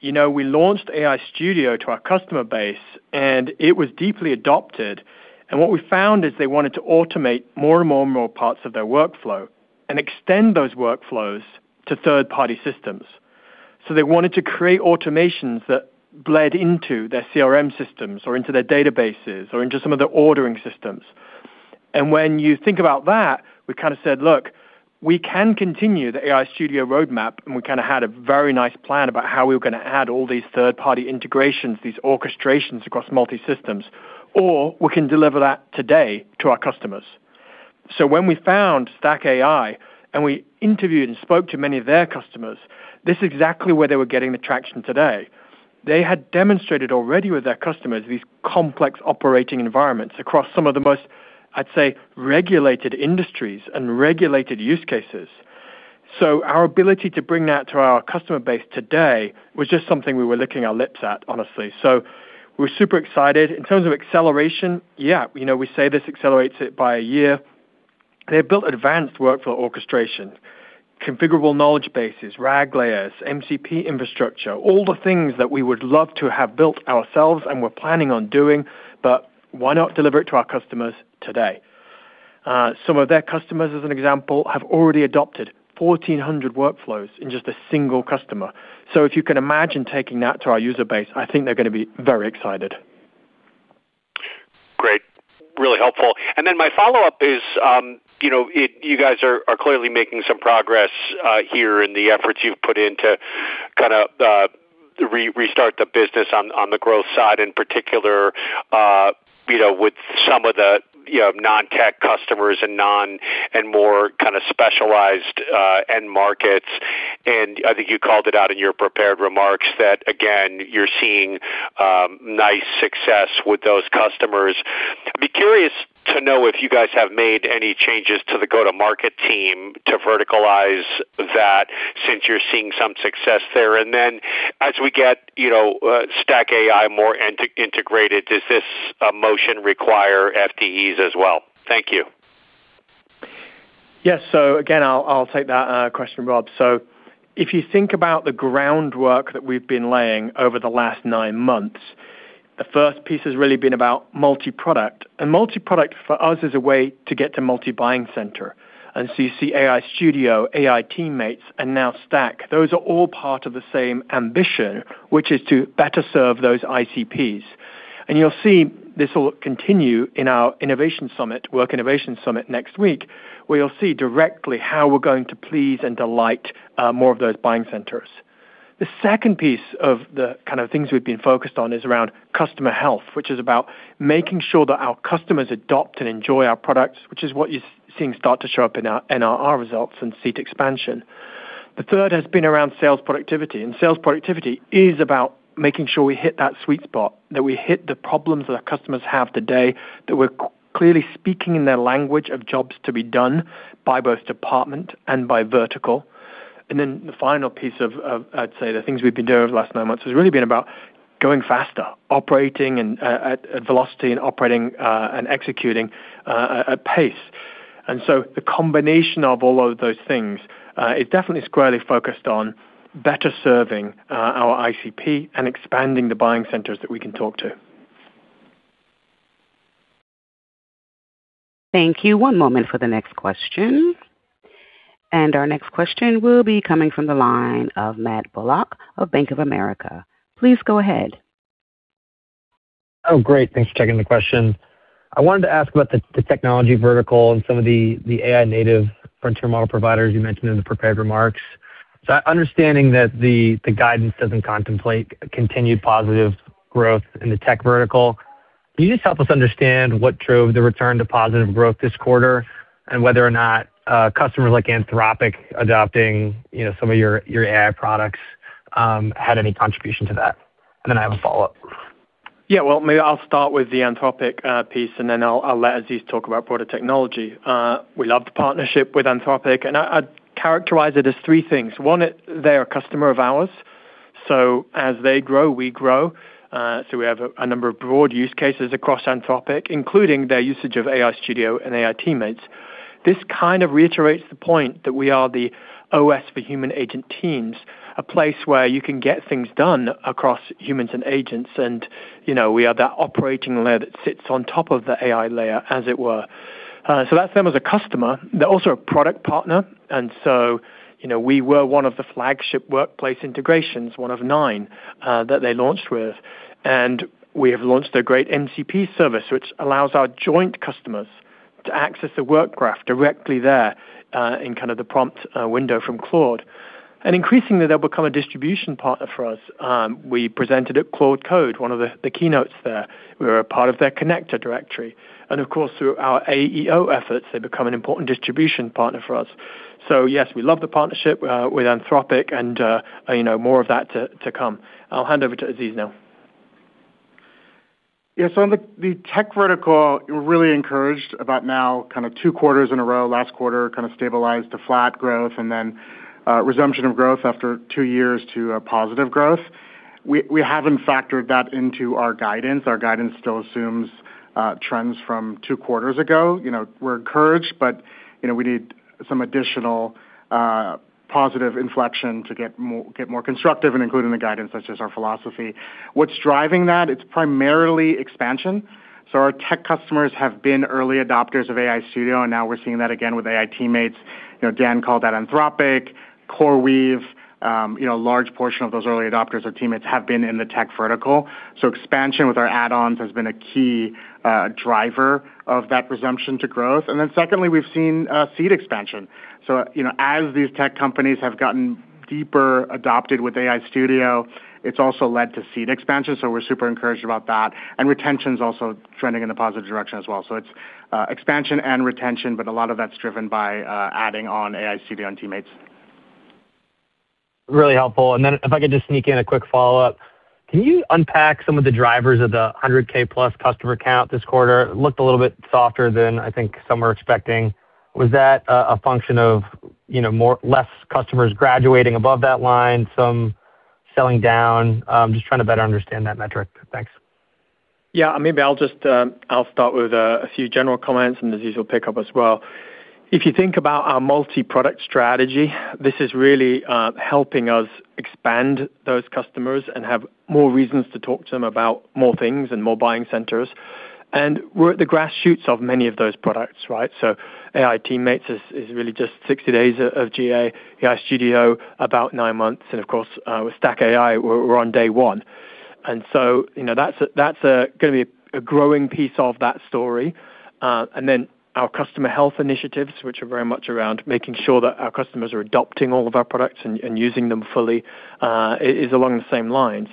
S3: We launched Asana AI Studio to our customer base, and it was deeply adopted, and what we found is they wanted to automate more and more and more parts of their workflow and extend those workflows to third-party systems. They wanted to create automations that bled into their CRM systems or into their databases or into some of their ordering systems. When you think about that, we said, "Look, we can continue the Asana AI Studio roadmap," and we had a very nice plan about how we were going to add all these third-party integrations, these orchestrations across multi-systems, or we can deliver that today to our customers. When we found StackAI, and we interviewed and spoke to many of their customers, this is exactly where they were getting the traction today. They had demonstrated already with their customers these complex operating environments across some of the most, I'd say, regulated industries and regulated use cases. Our ability to bring that to our customer base today was just something we were licking our lips at, honestly. We're super excited. In terms of acceleration, yeah, we say this accelerates it by a year. They built advanced workflow orchestration, configurable knowledge bases, RAG layers, MCP infrastructure, all the things that we would love to have built ourselves and were planning on doing, but why not deliver it to our customers today? Some of their customers, as an example, have already adopted 1,400 workflows in just a single customer. If you can imagine taking that to our user base, I think they're going to be very excited.
S5: Great. Really helpful. Then my follow-up is, you guys are clearly making some progress here in the efforts you've put in to restart the business on the growth side, in particular with some of the non-tech customers and more kind of specialized end markets. I think you called it out in your prepared remarks that, again, you're seeing nice success with those customers. I'd be curious to know if you guys have made any changes to the go-to-market team to verticalize that since you're seeing some success there. Then as we get StackAI more integrated, does this motion require FTEs as well? Thank you.
S3: Yes. Again, I'll take that question, Rob. If you think about the groundwork that we've been laying over the last nine months, the first piece has really been about multi-product. Multi-product for us is a way to get to multi-buying center. You see Asana AI Studio, AI Teammates, and now StackAI. Those are all part of the same ambition, which is to better serve those ICPs. You'll see this will continue in our Work Innovation Summit next week, where you'll see directly how we're going to please and delight more of those buying centers. The second piece of the kind of things we've been focused on is around customer health, which is about making sure that our customers adopt and enjoy our products, which is what you're seeing start to show up in our NRR results and seat expansion. The third has been around sales productivity. Sales productivity is about making sure we hit that sweet spot, that we hit the problems that our customers have today, that we're clearly speaking in their language of jobs to be done by both department and by vertical. The final piece of, I'd say, the things we've been doing over the last nine months has really been about going faster, operating at velocity, and operating and executing at pace. The combination of all of those things is definitely squarely focused on better serving our ICP and expanding the buying centers that we can talk to.
S1: Thank you. One moment for the next question. Our next question will be coming from the line of Matt Bullock of Bank of America. Please go ahead.
S6: Great. Thanks for taking the question. I wanted to ask about the technology vertical and some of the AI-native frontier model providers you mentioned in the prepared remarks. Understanding that the guidance doesn't contemplate continued positive growth in the tech vertical, can you just help us understand what drove the return to positive growth this quarter and whether or not customers like Anthropic adopting some of your AI products had any contribution to that? I have a follow-up.
S3: Well, maybe I'll start with the Anthropic piece, and then I'll let Aziz talk about broader technology. We love the partnership with Anthropic, and I'd characterize it as three things. One, they're a customer of ours, so as they grow, we grow. We have a number of broad use cases across Anthropic, including their usage of AI Studio and AI Teammates. This kind of reiterates the point that we are the OS for human agent teams, a place where you can get things done across humans and agents, and we are that operating layer that sits on top of the AI layer, as it were. That's them as a customer. They're also a product partner, and we were one of the flagship workplace integrations, one of nine that they launched with. We have launched a great MCP service, which allows our joint customers to access the Work Graph directly there in kind of the prompt window from Claude. Increasingly, they'll become a distribution partner for us. We presented at Code with Claude, one of the keynotes there. We were a part of their connector directory. Of course, through our AEO efforts, they've become an important distribution partner for us. Yes, we love the partnership with Anthropic and more of that to come. I'll hand over to Aziz now.
S4: Yeah. On the tech vertical, we're really encouraged about now kind of two quarters in a row. Last quarter kind of stabilized to flat growth, and then resumption of growth after 2 years to a positive growth. We haven't factored that into our guidance. Our guidance still assumes trends from two quarters ago. We're encouraged, we need some additional positive inflection to get more constructive in including the guidance. That's just our philosophy. What's driving that? It's primarily expansion. Our tech customers have been early adopters of AI Studio, and now we're seeing that again with AI Teammates. Dan called out Anthropic, CoreWeave. A large portion of those early adopters of Teammates have been in the tech vertical. Expansion with our add-ons has been a key driver of that resumption to growth. Secondly, we've seen seat expansion. As these tech companies have gotten deeper adopted with AI Studio, it's also led to seat expansion, so we're super encouraged about that. Retention's also trending in a positive direction as well. It's expansion and retention, but a lot of that's driven by adding on AI Studio and Teammates.
S6: Really helpful. If I could just sneak in a quick follow-up, can you unpack some of the drivers of the 100K+ customer count this quarter? It looked a little bit softer than I think some were expecting. Was that a function of less customers graduating above that line, some selling down? Just trying to better understand that metric. Thanks.
S3: Yeah. Maybe I'll start with a few general comments, Aziz Megji will pick up as well. If you think about our multi-product strategy, this is really helping us expand those customers and have more reasons to talk to them about more things and more buying centers. We're at the grass shoots of many of those products, right? AI Teammates is really just 60 days of GA, AI Studio about nine months, and of course, with StackAI, we're on day one. That's going to be a growing piece of that story. Our customer health initiatives, which are very much around making sure that our customers are adopting all of our products and using them fully, is along the same lines.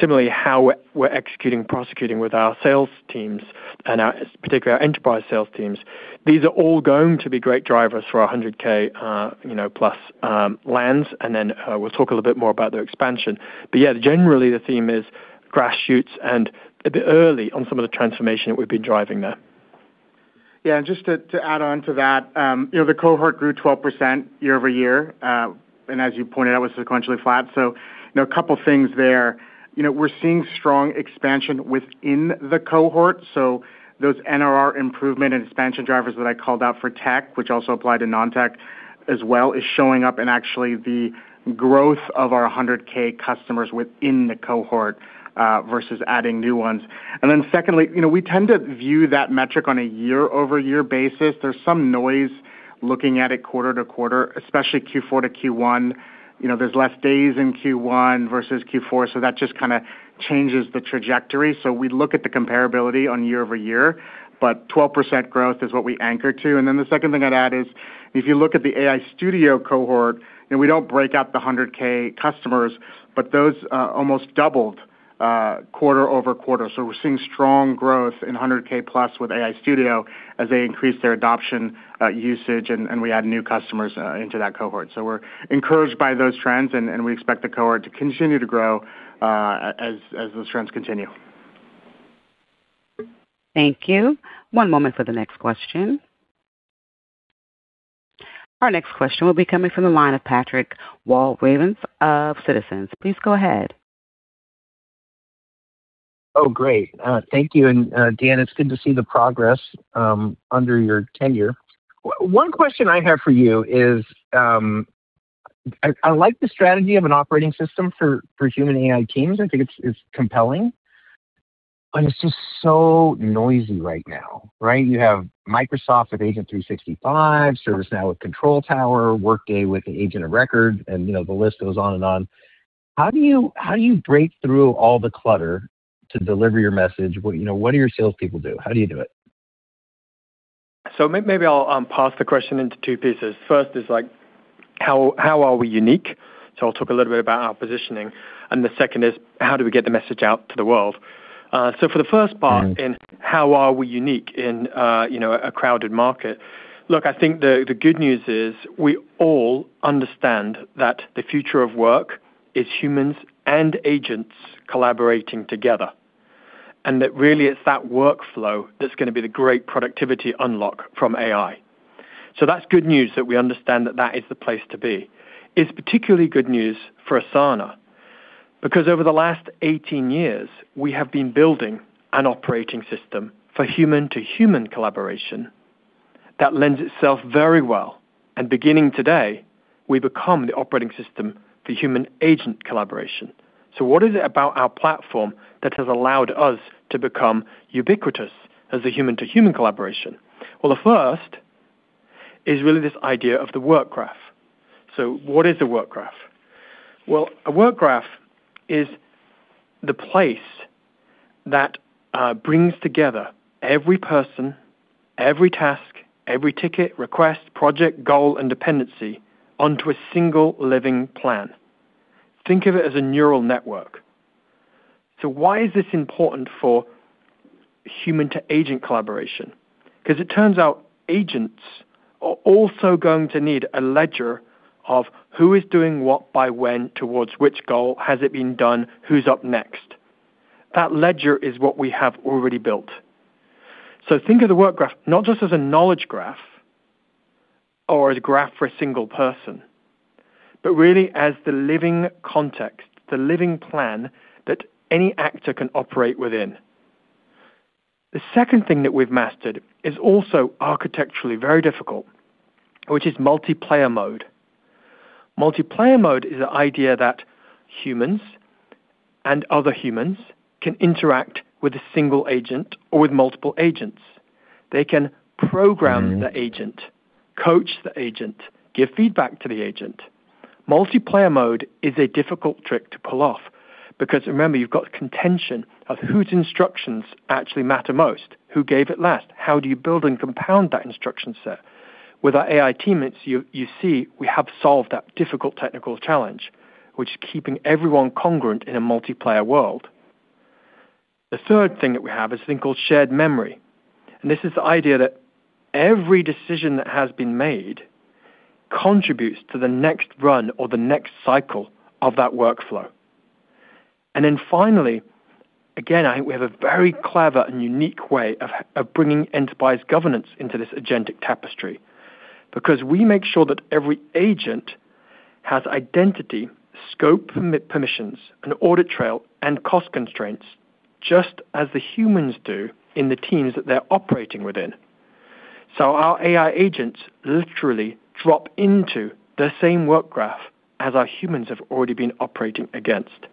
S3: Similarly, how we're executing, prosecuting with our sales teams and particularly our enterprise sales teams, these are all going to be great drivers for our 100K+ lands. Then we'll talk a little bit more about their expansion. Generally, the theme is grass shoots and a bit early on some of the transformation that we've been driving there.
S4: Just to add on to that, the cohort grew 12% year-over-year. As you pointed out, was sequentially flat. A couple of things there. We're seeing strong expansion within the cohort. Those NRR improvement and expansion drivers that I called out for tech, which also apply to non-tech as well, is showing up in actually the growth of our 100K customers within the cohort versus adding new ones. Secondly, we tend to view that metric on a year-over-year basis. There's some noise looking at it quarter-to-quarter, especially Q4 to Q1. There's less days in Q1 versus Q4, that just changes the trajectory. We look at the comparability on year-over-year, but 12% growth is what we anchor to. The second thing I'd add is, if you look at the AI Studio cohort, we don't break out the 100K customers, but those almost doubled quarter-over-quarter. We're seeing strong growth in 100K+ with AI Studio as they increase their adoption usage, and we add new customers into that cohort. We're encouraged by those trends, and we expect the cohort to continue to grow as those trends continue.
S1: Thank you. One moment for the next question. Our next question will be coming from the line of Patrick Walravens of Citizens. Please go ahead.
S7: Oh, great. Thank you. Dan, it's good to see the progress under your tenure. One question I have for you is, I like the strategy of an operating system for human AI teams. I think it's compelling, it's just so noisy right now, right? You have Microsoft with Agent 365, ServiceNow with AI Control Tower, Workday with the agent of record, the list goes on and on. How do you break through all the clutter to deliver your message? What do your salespeople do? How do you do it?
S3: Maybe I'll parse the question into two pieces. First is, how are we unique? I'll talk a little bit about our positioning. The second is, how do we get the message out to the world? For the first part. in how are we unique in a crowded market? Look, I think the good news is we all understand that the future of work is humans and agents collaborating together, and that really it's that workflow that's going to be the great productivity unlock from AI. That's good news that we understand that is the place to be. It's particularly good news for Asana because over the last 18 years, we have been building an operating system for human-to-human collaboration that lends itself very well. Beginning today, we become the operating system for human agent collaboration. What is it about our platform that has allowed us to become ubiquitous as a human-to-human collaboration? Well, the first is really this idea of the Work Graph. What is a Work Graph? Well, a Work Graph is the place that brings together every person, every task, every ticket, request, project, goal, and dependency onto a single living plan. Think of it as a neural network. Why is this important for human-to-agent collaboration? Because it turns out agents are also going to need a ledger of who is doing what by when, towards which goal, has it been done, who's up next. That ledger is what we have already built. Think of the Work Graph not just as a knowledge graph or as a graph for a single person, but really as the living context, the living plan that any actor can operate within. The second thing that we've mastered is also architecturally very difficult, which is multiplayer mode. Multiplayer mode is the idea that humans and other humans can interact with a single agent or with multiple agents. They can program the agent, coach the agent, give feedback to the agent. Multiplayer mode is a difficult trick to pull off because remember, you've got contention of whose instructions actually matter most, who gave it last. How do you build and compound that instruction set? With our AI Teammates, you see we have solved that difficult technical challenge, which is keeping everyone congruent in a multiplayer world. The third thing that we have is a thing called shared memory, and this is the idea that every decision that has been made contributes to the next run or the next cycle of that workflow. Finally, again, I think we have a very clever and unique way of bringing enterprise governance into this agentic tapestry, because we make sure that every agent has identity, scope permissions, an audit trail, and cost constraints, just as the humans do in the teams that they're operating within. Our AI agents literally drop into the same Work Graph as our humans have already been operating against.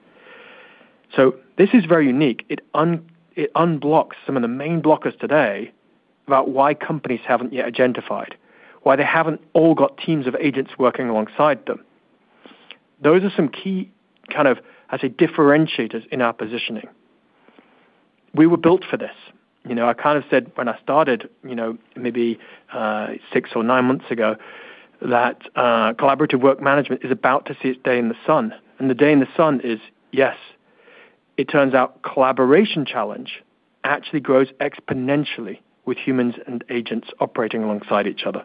S3: This is very unique. It unblocks some of the main blockers today about why companies haven't yet agentified, why they haven't all got teams of agents working alongside them. Those are some key kind of, I'd say, differentiators in our positioning. We were built for this. I said when I started, maybe six or nine months ago, that collaborative work management is about to see its day in the sun, and the day in the sun is, yes, it turns out collaboration challenge actually grows exponentially with humans and agents operating alongside each other.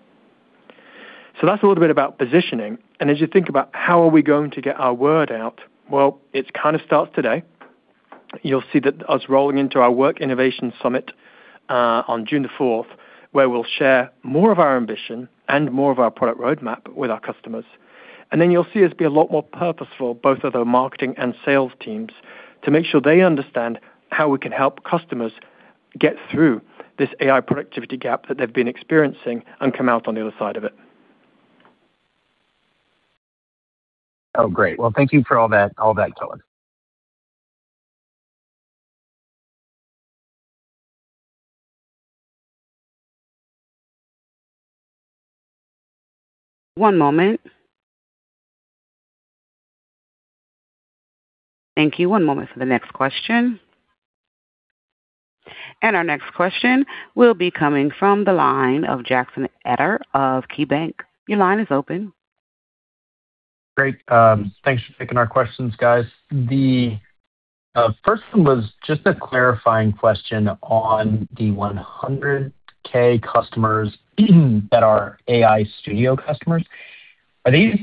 S3: That's a little bit about positioning. As you think about how are we going to get our word out, well, it kind of starts today. You'll see that us rolling into our Work Innovation Summit on June the 4th, where we'll share more of our ambition and more of our product roadmap with our customers. Then you'll see us be a lot more purposeful, both of our marketing and sales teams, to make sure they understand how we can help customers get through this AI productivity gap that they've been experiencing and come out on the other side of it.
S7: Oh, great. Well, thank you for all that color.
S1: One moment. Thank you. One moment for the next question. Our next question will be coming from the line of Jackson Ader of KeyBanc. Your line is open.
S8: Great. Thanks for taking our questions, guys. The first one was just a clarifying question on the 100K customers that are AI Studio customers. Are these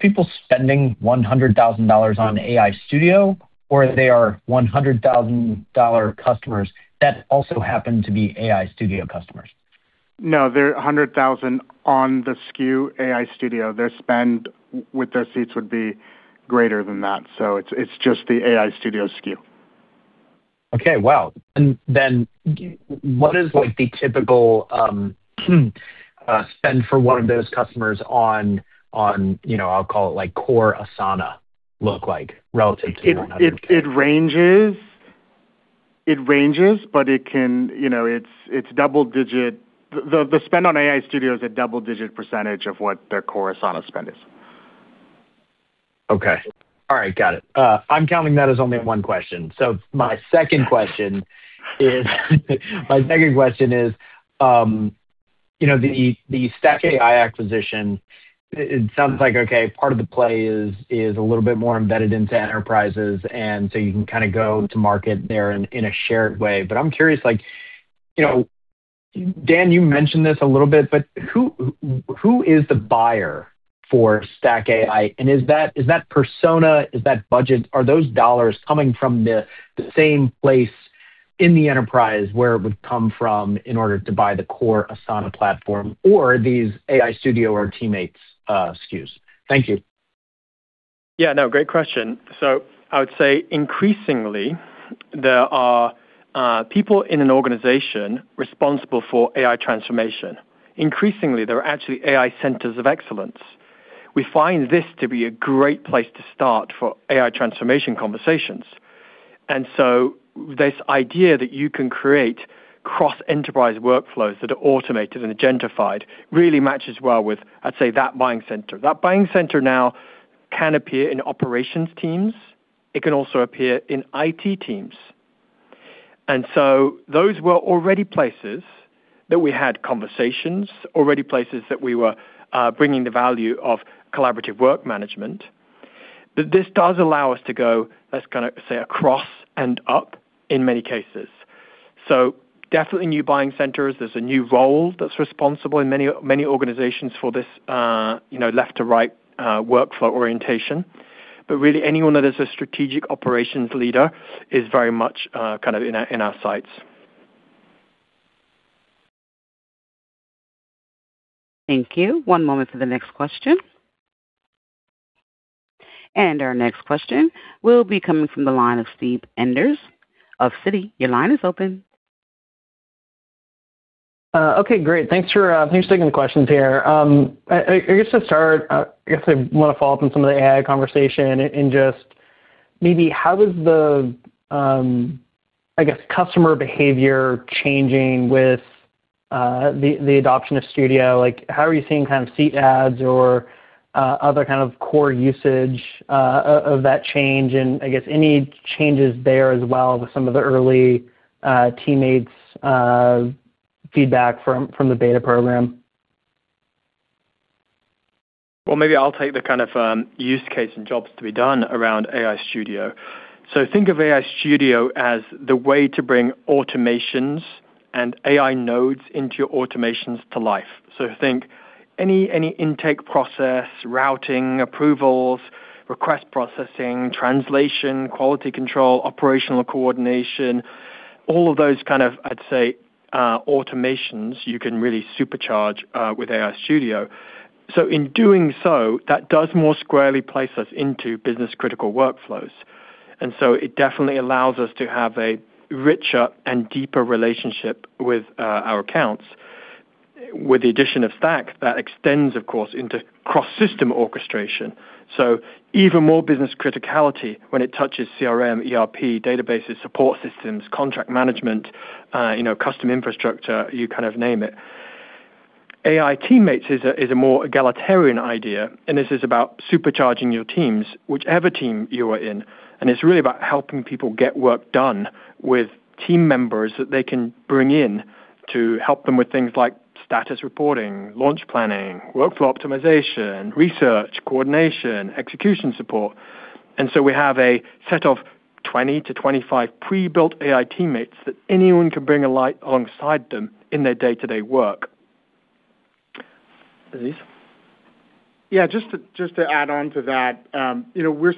S8: people spending $100,000 on AI Studio, or they are $100,000 customers that also happen to be AI Studio customers?
S4: No, they're 100,000 on the SKU AI Studio. Their spend with their seats would be greater than that, so it's just the AI Studio SKU.
S8: Okay. Wow. What is the typical spend for one of those customers on, I'll call it, core Asana look like relative to the $100K?
S4: It ranges. It ranges, but it's double digit. The spend on AI Studio is a double-digit percentage of what their core Asana spend is.
S8: Okay. All right. Got it. I'm counting that as only one question. My second question is the StackAI acquisition, it sounds like part of the play is a little bit more embedded into enterprises, you can go to market there in a shared way. I'm curious, Dan, you mentioned this a little bit, who is the buyer for StackAI? Is that persona, is that budget, are those dollars coming from the same place in the enterprise where it would come from in order to buy the core Asana platform or these AI Studio or Teammates SKUs? Thank you.
S3: Yeah, no, great question. I would say increasingly, there are people in an organization responsible for AI transformation. Increasingly, there are actually AI centers of excellence. We find this to be a great place to start for AI transformation conversations. This idea that you can create cross-enterprise workflows that are automated and agentified really matches well with, I'd say, that buying center. That buying center now can appear in operations teams. It can also appear in IT teams. Those were already places that we had conversations, already places that we were bringing the value of collaborative work management, that this does allow us to go, let's say, across and up in many cases. Definitely new buying centers. There's a new role that's responsible in many organizations for this left to right workflow orientation. Really, anyone that is a strategic operations leader is very much in our sights.
S1: Thank you. One moment for the next question. Our next question will be coming from the line of Steve Enders of Citi. Your line is open.
S9: Okay, great. Thanks for taking the questions here. I guess to start, I guess I want to follow up on some of the AI conversation and just maybe how does the, I guess, customer behavior changing with the adoption of Studio. How are you seeing kind of seat adds or other kind of core usage of that change and, I guess, any changes there as well with some of the early Teammates feedback from the beta program?
S3: Well, maybe I'll take the kind of use case and jobs to be done around AI Studio. Think of AI Studio as the way to bring automations and AI nodes into your automations to life. Think any intake process, routing, approvals, request processing, translation, quality control, operational coordination, all of those kind of, I'd say, automations you can really supercharge with AI Studio. In doing so, that does more squarely place us into business-critical workflows. It definitely allows us to have a richer and deeper relationship with our accounts. With the addition of Stack, that extends, of course, into cross-system orchestration. Even more business criticality when it touches CRM, ERP, databases, support systems, contract management, custom infrastructure, you name it. AI Teammates is a more egalitarian idea, this is about supercharging your teams, whichever team you are in. It's really about helping people get work done with team members that they can bring in to help them with things like status reporting, launch planning, workflow optimization, research, coordination, execution support. We have a set of 20-25 pre-built AI Teammates that anyone can bring alongside them in their day-to-day work. Aziz.
S4: Just to add on to that. It's been a year, we're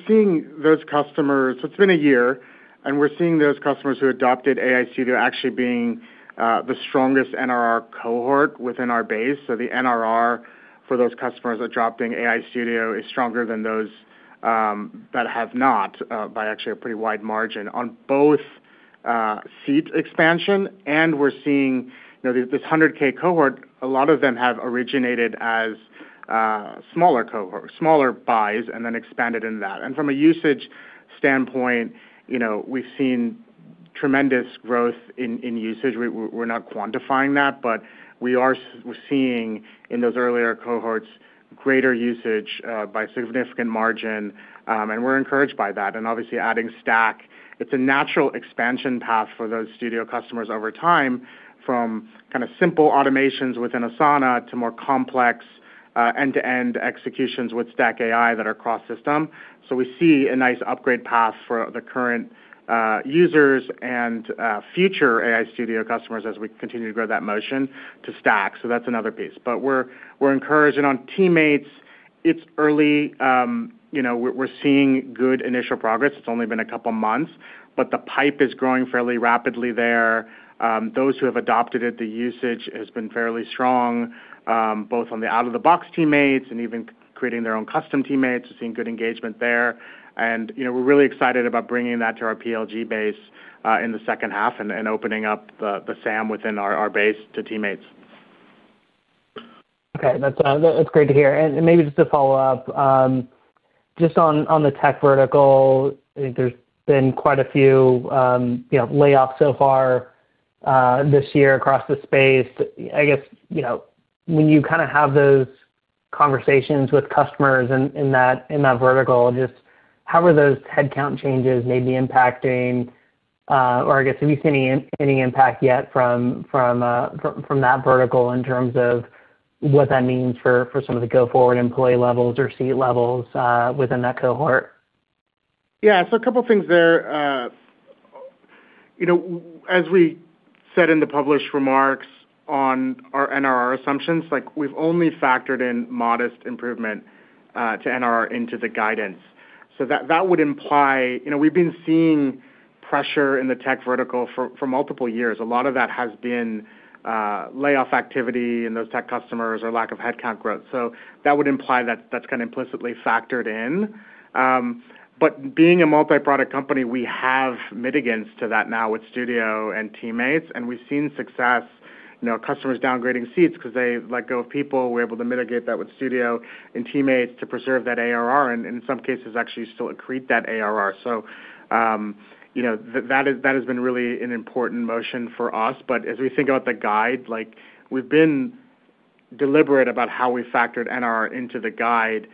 S4: seeing those customers who adopted AI Studio actually being the strongest NRR cohort within our base. The NRR for those customers adopting AI Studio is stronger than those that have not, by actually a pretty wide margin on both seat expansion, we're seeing this 100K cohort, a lot of them have originated as smaller cohorts, smaller buys, then expanded into that. From a usage standpoint, we've seen tremendous growth in usage. We're not quantifying that, we're seeing in those earlier cohorts greater usage by significant margin, we're encouraged by that. Obviously adding Stack, it's a natural expansion path for those Studio customers over time from simple automations within Asana to more complex end-to-end executions with StackAI that are cross-system. We see a nice upgrade path for the current users and future AI Studio customers as we continue to grow that motion to Stack. That's another piece. We're encouraged. On Teammates, it's early. We're seeing good initial progress. It's only been a couple of months. The pipe is growing fairly rapidly there. Those who have adopted it, the usage has been fairly strong, both on the out-of-the-box Teammates and even creating their own custom Teammates. We're seeing good engagement there. We're really excited about bringing that to our PLG base in the second half and opening up the SAM within our base to Teammates.
S9: Okay. That's great to hear. Maybe just to follow up, just on the tech vertical, there's been quite a few layoffs so far this year across the space. I guess, when you have those conversations with customers in that vertical, just how are those headcount changes maybe impacting, or I guess, have you seen any impact yet from that vertical in terms of what that means for some of the go-forward employee levels or seat levels within that cohort?
S4: A couple of things there. As we said in the published remarks on our NRR assumptions, we've only factored in modest improvement to NRR into the guidance. That would imply, we've been seeing pressure in the tech vertical for multiple years. A lot of that has been layoff activity in those tech customers or lack of headcount growth. That would imply that that's kind of implicitly factored in. Being a multi-product company, we have mitigants to that now with Studio and Teammates, and we've seen success, customers downgrading seats because they let go of people. We're able to mitigate that with Studio and Teammates to preserve that ARR, and in some cases, actually still accrete that ARR. That has been really an important motion for us. As we think about the guide, we've been deliberate about how we factored NRR into the guide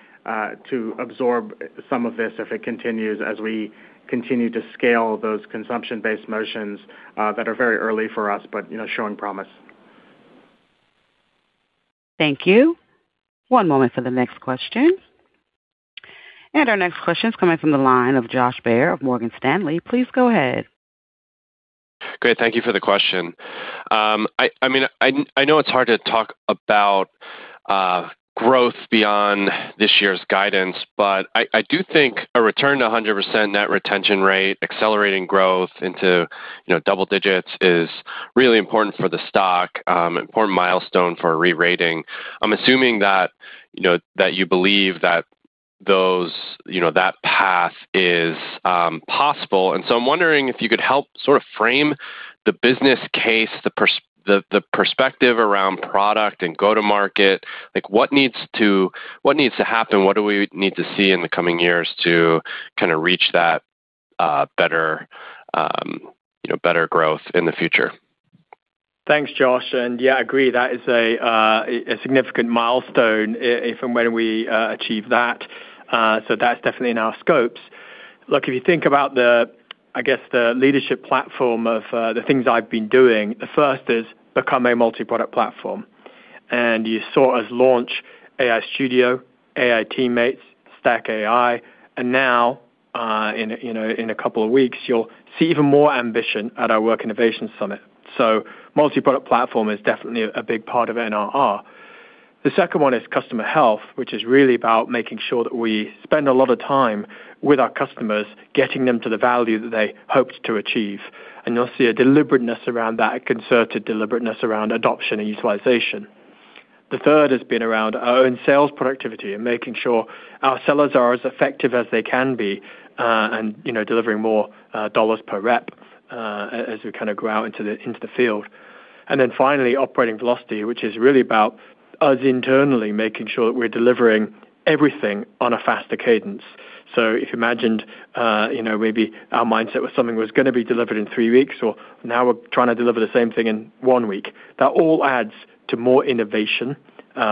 S4: to absorb some of this if it continues as we continue to scale those consumption-based motions that are very early for us, but showing promise.
S1: Thank you. One moment for the next question. Our next question is coming from the line of Josh Baer of Morgan Stanley. Please go ahead.
S10: Great. Thank you for the question. I know it's hard to talk about growth beyond this year's guidance, but I do think a return to 100% net retention rate, accelerating growth into double digits is really important for the stock, important milestone for a re-rating. I'm assuming that you believe that that path is possible, and so I'm wondering if you could help sort of frame the business case, the perspective around product and go to market. What needs to happen? What do we need to see in the coming years to reach that better growth in the future?
S3: Thanks, Josh. Yeah, I agree, that is a significant milestone from when we achieve that. That's definitely in our scopes. Look, if you think about, I guess, the leadership platform of the things I've been doing, the first is become a multi-product platform. You saw us launch Asana AI Studio, AI Teammates, StackAI, and now, in a couple of weeks, you'll see even more ambition at our Work Innovation Summit. Multi-product platform is definitely a big part of NRR. The second one is customer health, which is really about making sure that we spend a lot of time with our customers, getting them to the value that they hoped to achieve. You'll see a deliberateness around that, a concerted deliberateness around adoption and utilization. The third has been around our own sales productivity and making sure our sellers are as effective as they can be, and delivering more dollars per rep as we go out into the field. Finally, operating velocity, which is really about us internally making sure that we're delivering everything on a faster cadence. If you imagined maybe our mindset was something was going to be delivered in three weeks, or now we're trying to deliver the same thing in one week. That all adds to more innovation,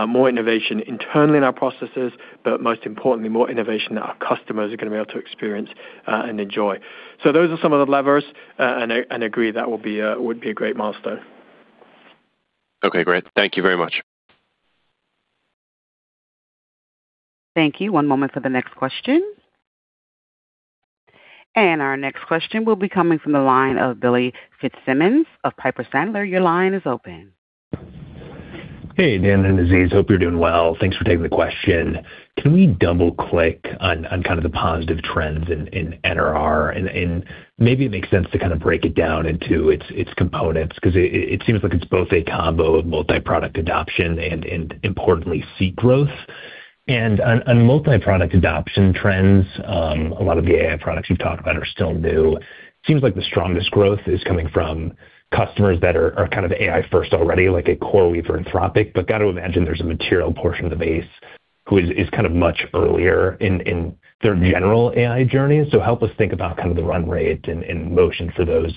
S3: more innovation internally in our processes, but most importantly, more innovation that our customers are going to be able to experience and enjoy. Those are some of the levers, and agree, that would be a great milestone.
S10: Okay, great. Thank you very much.
S1: Thank you. One moment for the next question. Our next question will be coming from the line of Billy Fitzsimmons of Piper Sandler. Your line is open.
S11: Hey, Dan and Aziz. Hope you're doing well. Thanks for taking the question. Can we double-click on kind of the positive trends in NRR? Maybe it makes sense to kind of break it down into its components, because it seems like it's both a combo of multi-product adoption and importantly seat growth. On multi-product adoption trends, a lot of the AI products you've talked about are still new. Seems like the strongest growth is coming from customers that are kind of AI first already, like a CoreWeave or Anthropic. Got to imagine there's a material portion of the base who is kind of much earlier in their general AI journey. Help us think about kind of the run rate and motion for those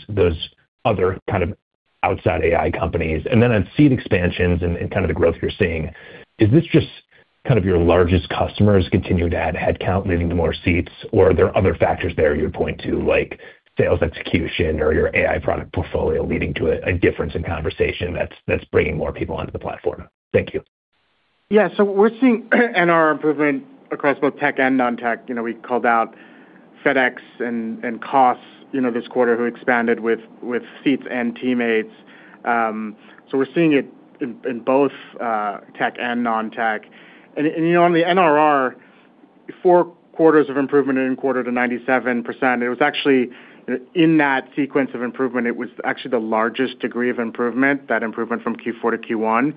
S11: other kind of outside AI companies. On seat expansions and kind of the growth you're seeing, is this just kind of your largest customers continuing to add headcount, leading to more seats? Are there other factors there you would point to, like sales execution or your AI product portfolio leading to a difference in conversation that's bringing more people onto the platform? Thank you.
S4: We're seeing NRR improvement across both tech and non-tech. We called out FedEx and COS this quarter, who expanded with seats and teammates. We're seeing it in both tech and non-tech. On the NRR, four quarters of improvement in quarter to 97%. In that sequence of improvement, it was actually the largest degree of improvement, that improvement from Q4 to Q1.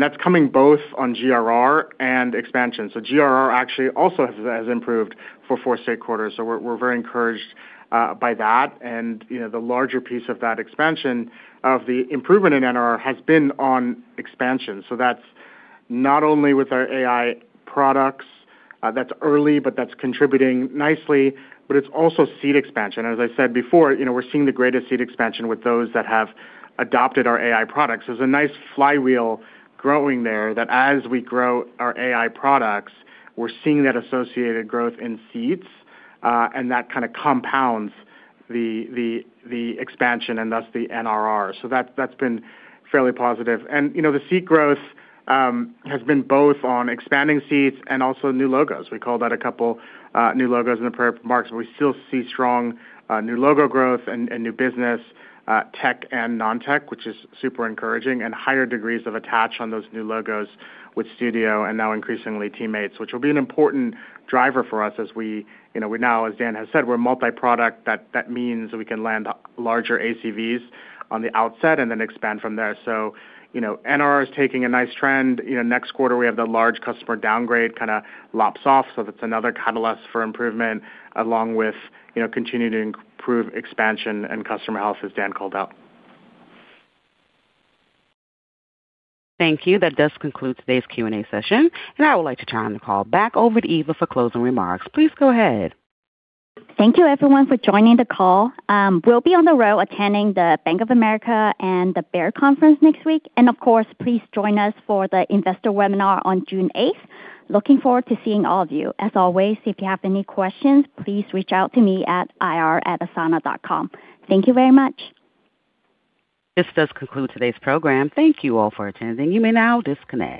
S4: That's coming both on GRR and expansion. GRR actually also has improved for four straight quarters. We're very encouraged by that. The larger piece of that expansion of the improvement in NRR has been on expansion. That's not only with our AI products. That's early, but that's contributing nicely. It's also seat expansion. As I said before, we're seeing the greatest seat expansion with those that have adopted our AI products. There's a nice flywheel growing there that as we grow our AI products, we're seeing that associated growth in seats. That kind of compounds the expansion and thus the NRR. That's been fairly positive. The seat growth has been both on expanding seats and also new logos. We called out a couple new logos in the prepared remarks, but we still see strong new logo growth and new business, tech and non-tech, which is super encouraging, and higher degrees of attach on those new logos with Studio and now increasingly Teammates, which will be an important driver for us as we now, as Dan has said, we're multi-product. That means we can land larger ACVs on the outset and then expand from there. NRR is taking a nice trend. Next quarter, we have the large customer downgrade kind of lops off. That's another catalyst for improvement along with continuing to improve expansion and customer health, as Dan called out.
S1: Thank you. That does conclude today's Q&A session. I would like to turn the call back over to Eva for closing remarks. Please go ahead.
S2: Thank you everyone for joining the call. We'll be on the road attending the Bank of America and the Baird conference next week. Of course, please join us for the investor webinar on June 8th. Looking forward to seeing all of you. As always, if you have any questions, please reach out to me at ir@asana.com. Thank you very much.
S1: This does conclude today's program. Thank you all for attending. You may now disconnect.